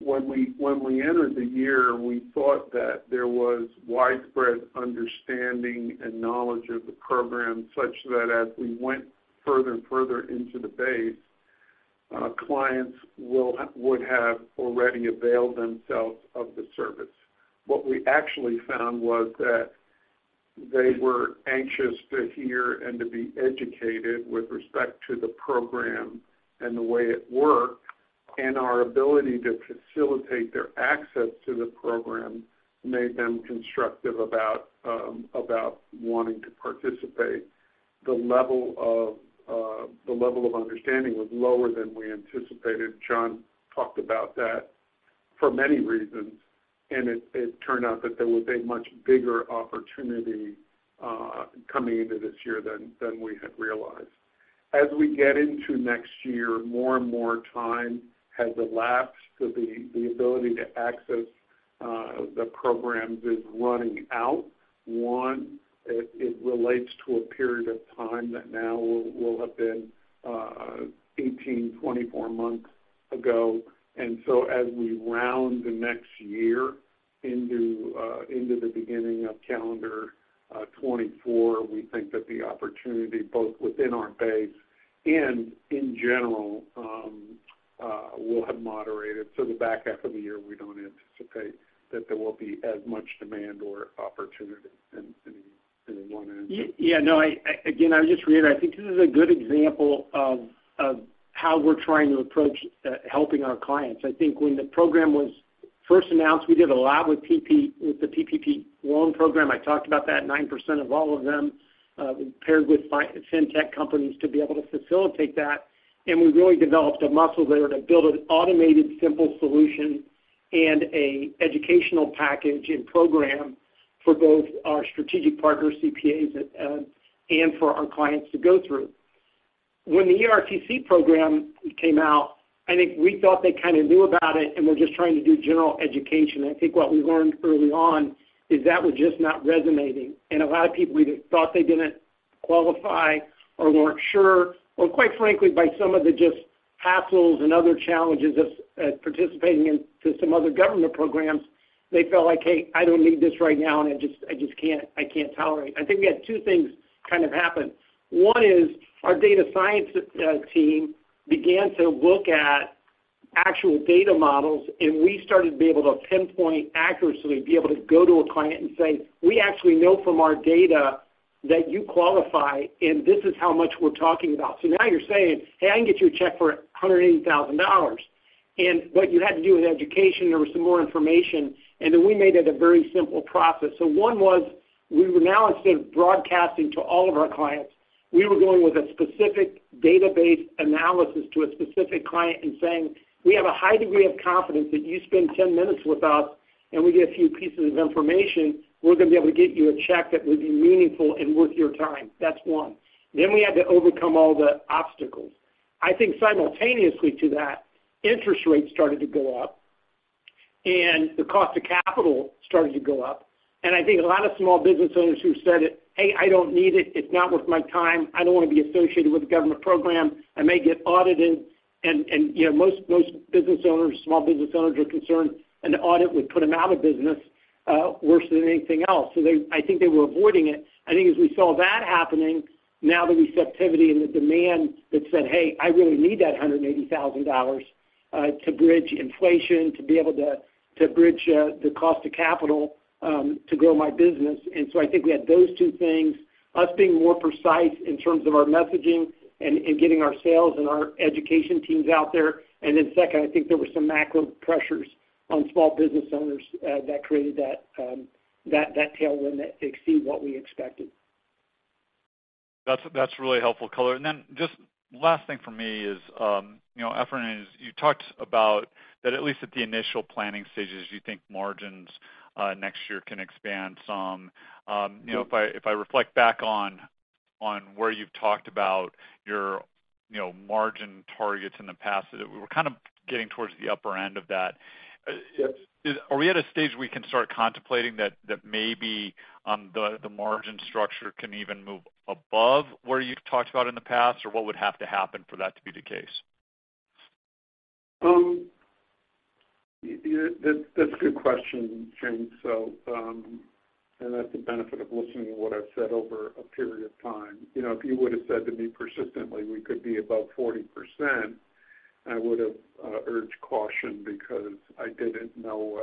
when we entered the year, we thought that there was widespread understanding and knowledge of the program such that as we went further and further into the base, clients would have already availed themselves of the service. What we actually found was that they were anxious to hear and to be educated with respect to the program and the way it worked. Our ability to facilitate their access to the program made them constructive about wanting to participate. The level of understanding was lower than we anticipated, John talked about that, for many reasons, it turned out that there was a much bigger opportunity coming into this year than we had realized. As we get into next year, more and more time has elapsed with the ability to access the programs is running out. One, it relates to a period of time that now will have been 18, 24 months ago. As we round the next year into the beginning of calendar 2024, we think that the opportunity both within our base and in general will have moderated. The back half of the year, we don't anticipate that there will be as much demand or opportunity. Any wanna add, John? Yeah, no. I, again, I would just reiterate, I think this is a good example of how we're trying to approach helping our clients. I think when the program was first announced, we did a lot with the PPP loan program. I talked about that, 9% of all of them, we paired with Fintech companies to be able to facilitate that. We really developed a muscle there to build an automated, simple solution and a educational package and program for both our strategic partners, CPAs, and for our clients to go through. When the ERTC program came out, I think we thought they kinda knew about it, and we're just trying to do general education. I think what we learned early on is that was just not resonating. A lot of people either thought they didn't qualify or weren't sure, or quite frankly, by some of the just hassles and other challenges of participating in to some other government programs. They felt like, "Hey, I don't need this right now, and I just can't tolerate." I think we had two things kind of happen. One is our data science team began to look at actual data models, and we started to be able to pinpoint accurately, be able to go to a client and say, "We actually know from our data that you qualify, and this is how much we're talking about." Now you're saying, "Hey, I can get you a check for $180,000." What you had to do with education, there was some more information, and then we made that a very simple process. One was we were now, instead of broadcasting to all of our clients, we were going with a specific database analysis to a specific client and saying, "We have a high degree of confidence that you spend 10 minutes with us, and we get a few pieces of information, we're gonna be able to get you a check that would be meaningful and worth your time." That's one. We had to overcome all the obstacles. I think simultaneously to that, interest rates started to go up, and the cost of capital started to go up. I think a lot of small business owners who said, "Hey, I don't need it's not worth my time, I don't wanna be associated with a government program, I may get audited." You know, most business owners, small business owners are concerned an audit would put them out of business worse than anything else. I think they were avoiding it. I think as we saw that happening, now the receptivity and the demand that said, "Hey, I really need that $180,000 to bridge inflation, to be able to bridge the cost to capital to grow my business." I think we had those two things, us being more precise in terms of our messaging and getting our sales and our education teams out there. Then second, I think there was some macro pressures on small business owners that created that tailwind that exceeded what we expected. That's really helpful color. Just last thing for me is, you know, Efrain, is you talked about that at least at the initial planning stages, you think margins next year can expand some. Mm-hmm. You know, if I, if I reflect back on where you've talked about your, you know, margin targets in the past, we're kind of getting towards the upper end of that. Yes. Are we at a stage we can start contemplating that maybe, the margin structure can even move above where you've talked about in the past? What would have to happen for that to be the case? Yeah, that's a good question, James. That's the benefit of listening to what I've said over a period of time. You know, if you would've said to me persistently we could be above 40%, I would've urged caution because I didn't know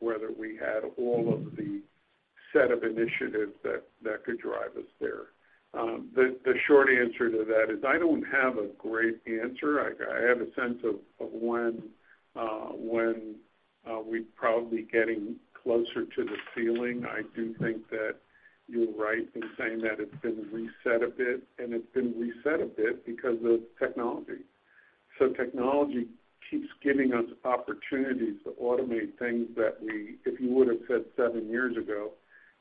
whether we had all of the set of initiatives that could drive us there. The short answer to that is I don't have a great answer. I have a sense of when we're probably getting closer to the ceiling. I do think that you're right in saying that it's been reset a bit, and it's been reset a bit because of technology. Technology keeps giving us opportunities to automate things that we. If you would've said seven years ago,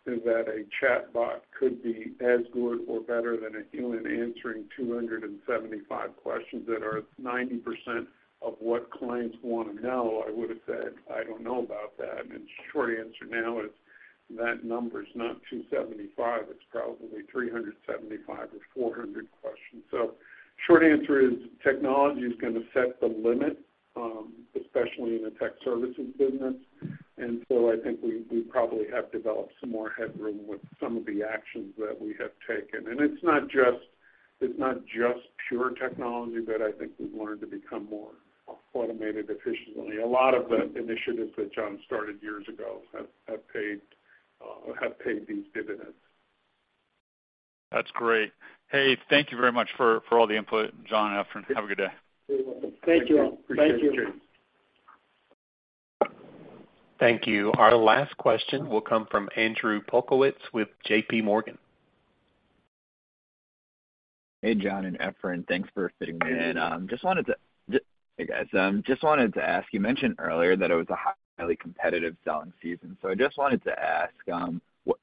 is that a chatbot could be as good or better than a human answering 275 questions that are 90% of what clients wanna know, I would've said, "I don't know about that." The short answer now is that number's not 275, it's probably 375 or 400 questions. Short answer is technology is gonna set the limit, especially in the tech services business. I think we probably have developed some more headroom with some of the actions that we have taken. It's not just pure technology, but I think we've learned to become more automated efficiently. A lot of the initiatives that John started years ago have paid these dividends. That's great. Hey, thank you very much for all the input, John and Efrain. Have a good day. You're welcome. Thank you. Thank you. Appreciate it, James. Thank you. Our last question will come from Andrew Polkowitz with JPMorgan. Hey, John and Efrain. Thanks for fitting me in. Hey, guys. Just wanted to ask, you mentioned earlier that it was a highly competitive selling season. I just wanted to ask,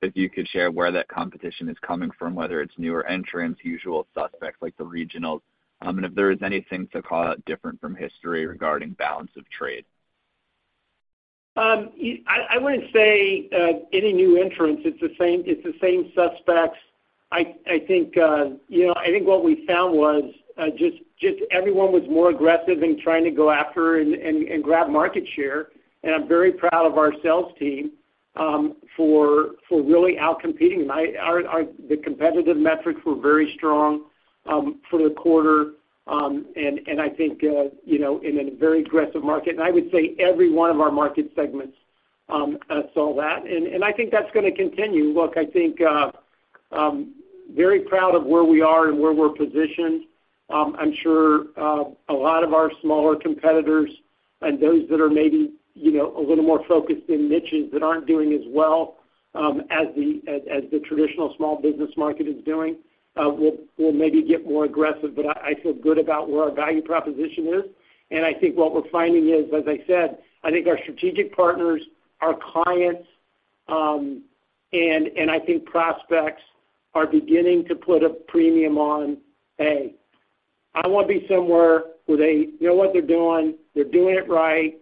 if you could share where that competition is coming from, whether it's newer entrants, usual suspects like the regionals. If there is anything different from history regarding balance of trade. I wouldn't say any new entrants, it's the same suspects. I think, you know, I think what we found was just everyone was more aggressive in trying to go after and grab market share. I'm very proud of our sales team for really outcompeting. Our competitive metrics were very strong for the quarter. I think, you know, in a very aggressive market, and I would say every one of our market segments saw that. I think that's gonna continue. Look, I think very proud of where we are and where we're positioned. I'm sure, a lot of our smaller competitors and those that are maybe, you know, a little more focused in niches that aren't doing as well, as the traditional small business market is doing, will maybe get more aggressive. I feel good about where our value proposition is. I think what we're finding is, as I said, I think our strategic partners, our clients, I think prospects are beginning to put a premium on: A, I wanna be somewhere where they know what they're doing, they're doing it right,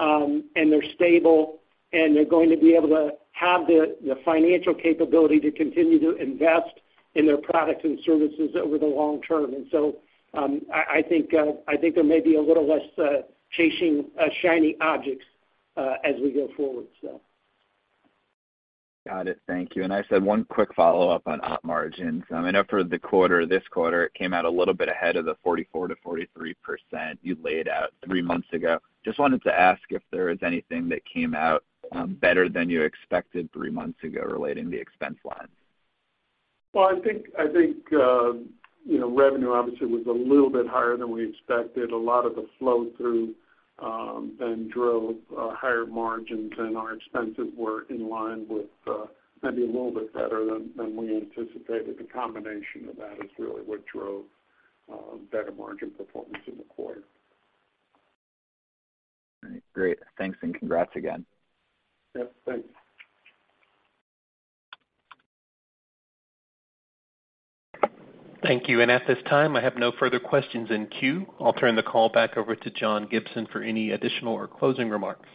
and they're stable, and they're going to be able to have the financial capability to continue to invest in their products and services over the long term. I think there may be a little less chasing shiny objects as we go forward. Got it. Thank you. I just had one quick follow-up on op margins. I mean, I've heard the quarter, this quarter, it came out a little bit ahead of the 44%-43% you laid out three months ago. Just wanted to ask if there is anything that came out better than you expected three months ago relating to the expense line. Well, I think, you know, revenue obviously was a little bit higher than we expected. A lot of the flow-through, then drove higher margins, and our expenses were in line with, maybe a little bit better than we anticipated. The combination of that is really what drove better margin performance in the quarter. All right. Great. Thanks, and congrats again. Yep. Thanks. Thank you. At this time, I have no further questions in queue. I'll turn the call back over to John Gibson for any additional or closing remarks.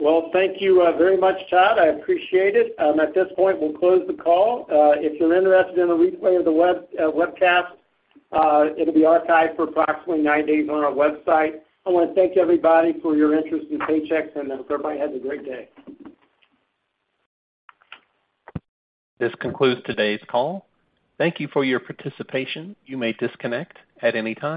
Well, thank you, very much, Todd. I appreciate it. At this point, we'll close the call. If you're interested in a replay of the web, webcast, it'll be archived for approximately nine days on our website. I wanna thank everybody for your interest in Paychex, and hope everybody has a great day. This concludes today's call. Thank you for your participation. You may disconnect at any time.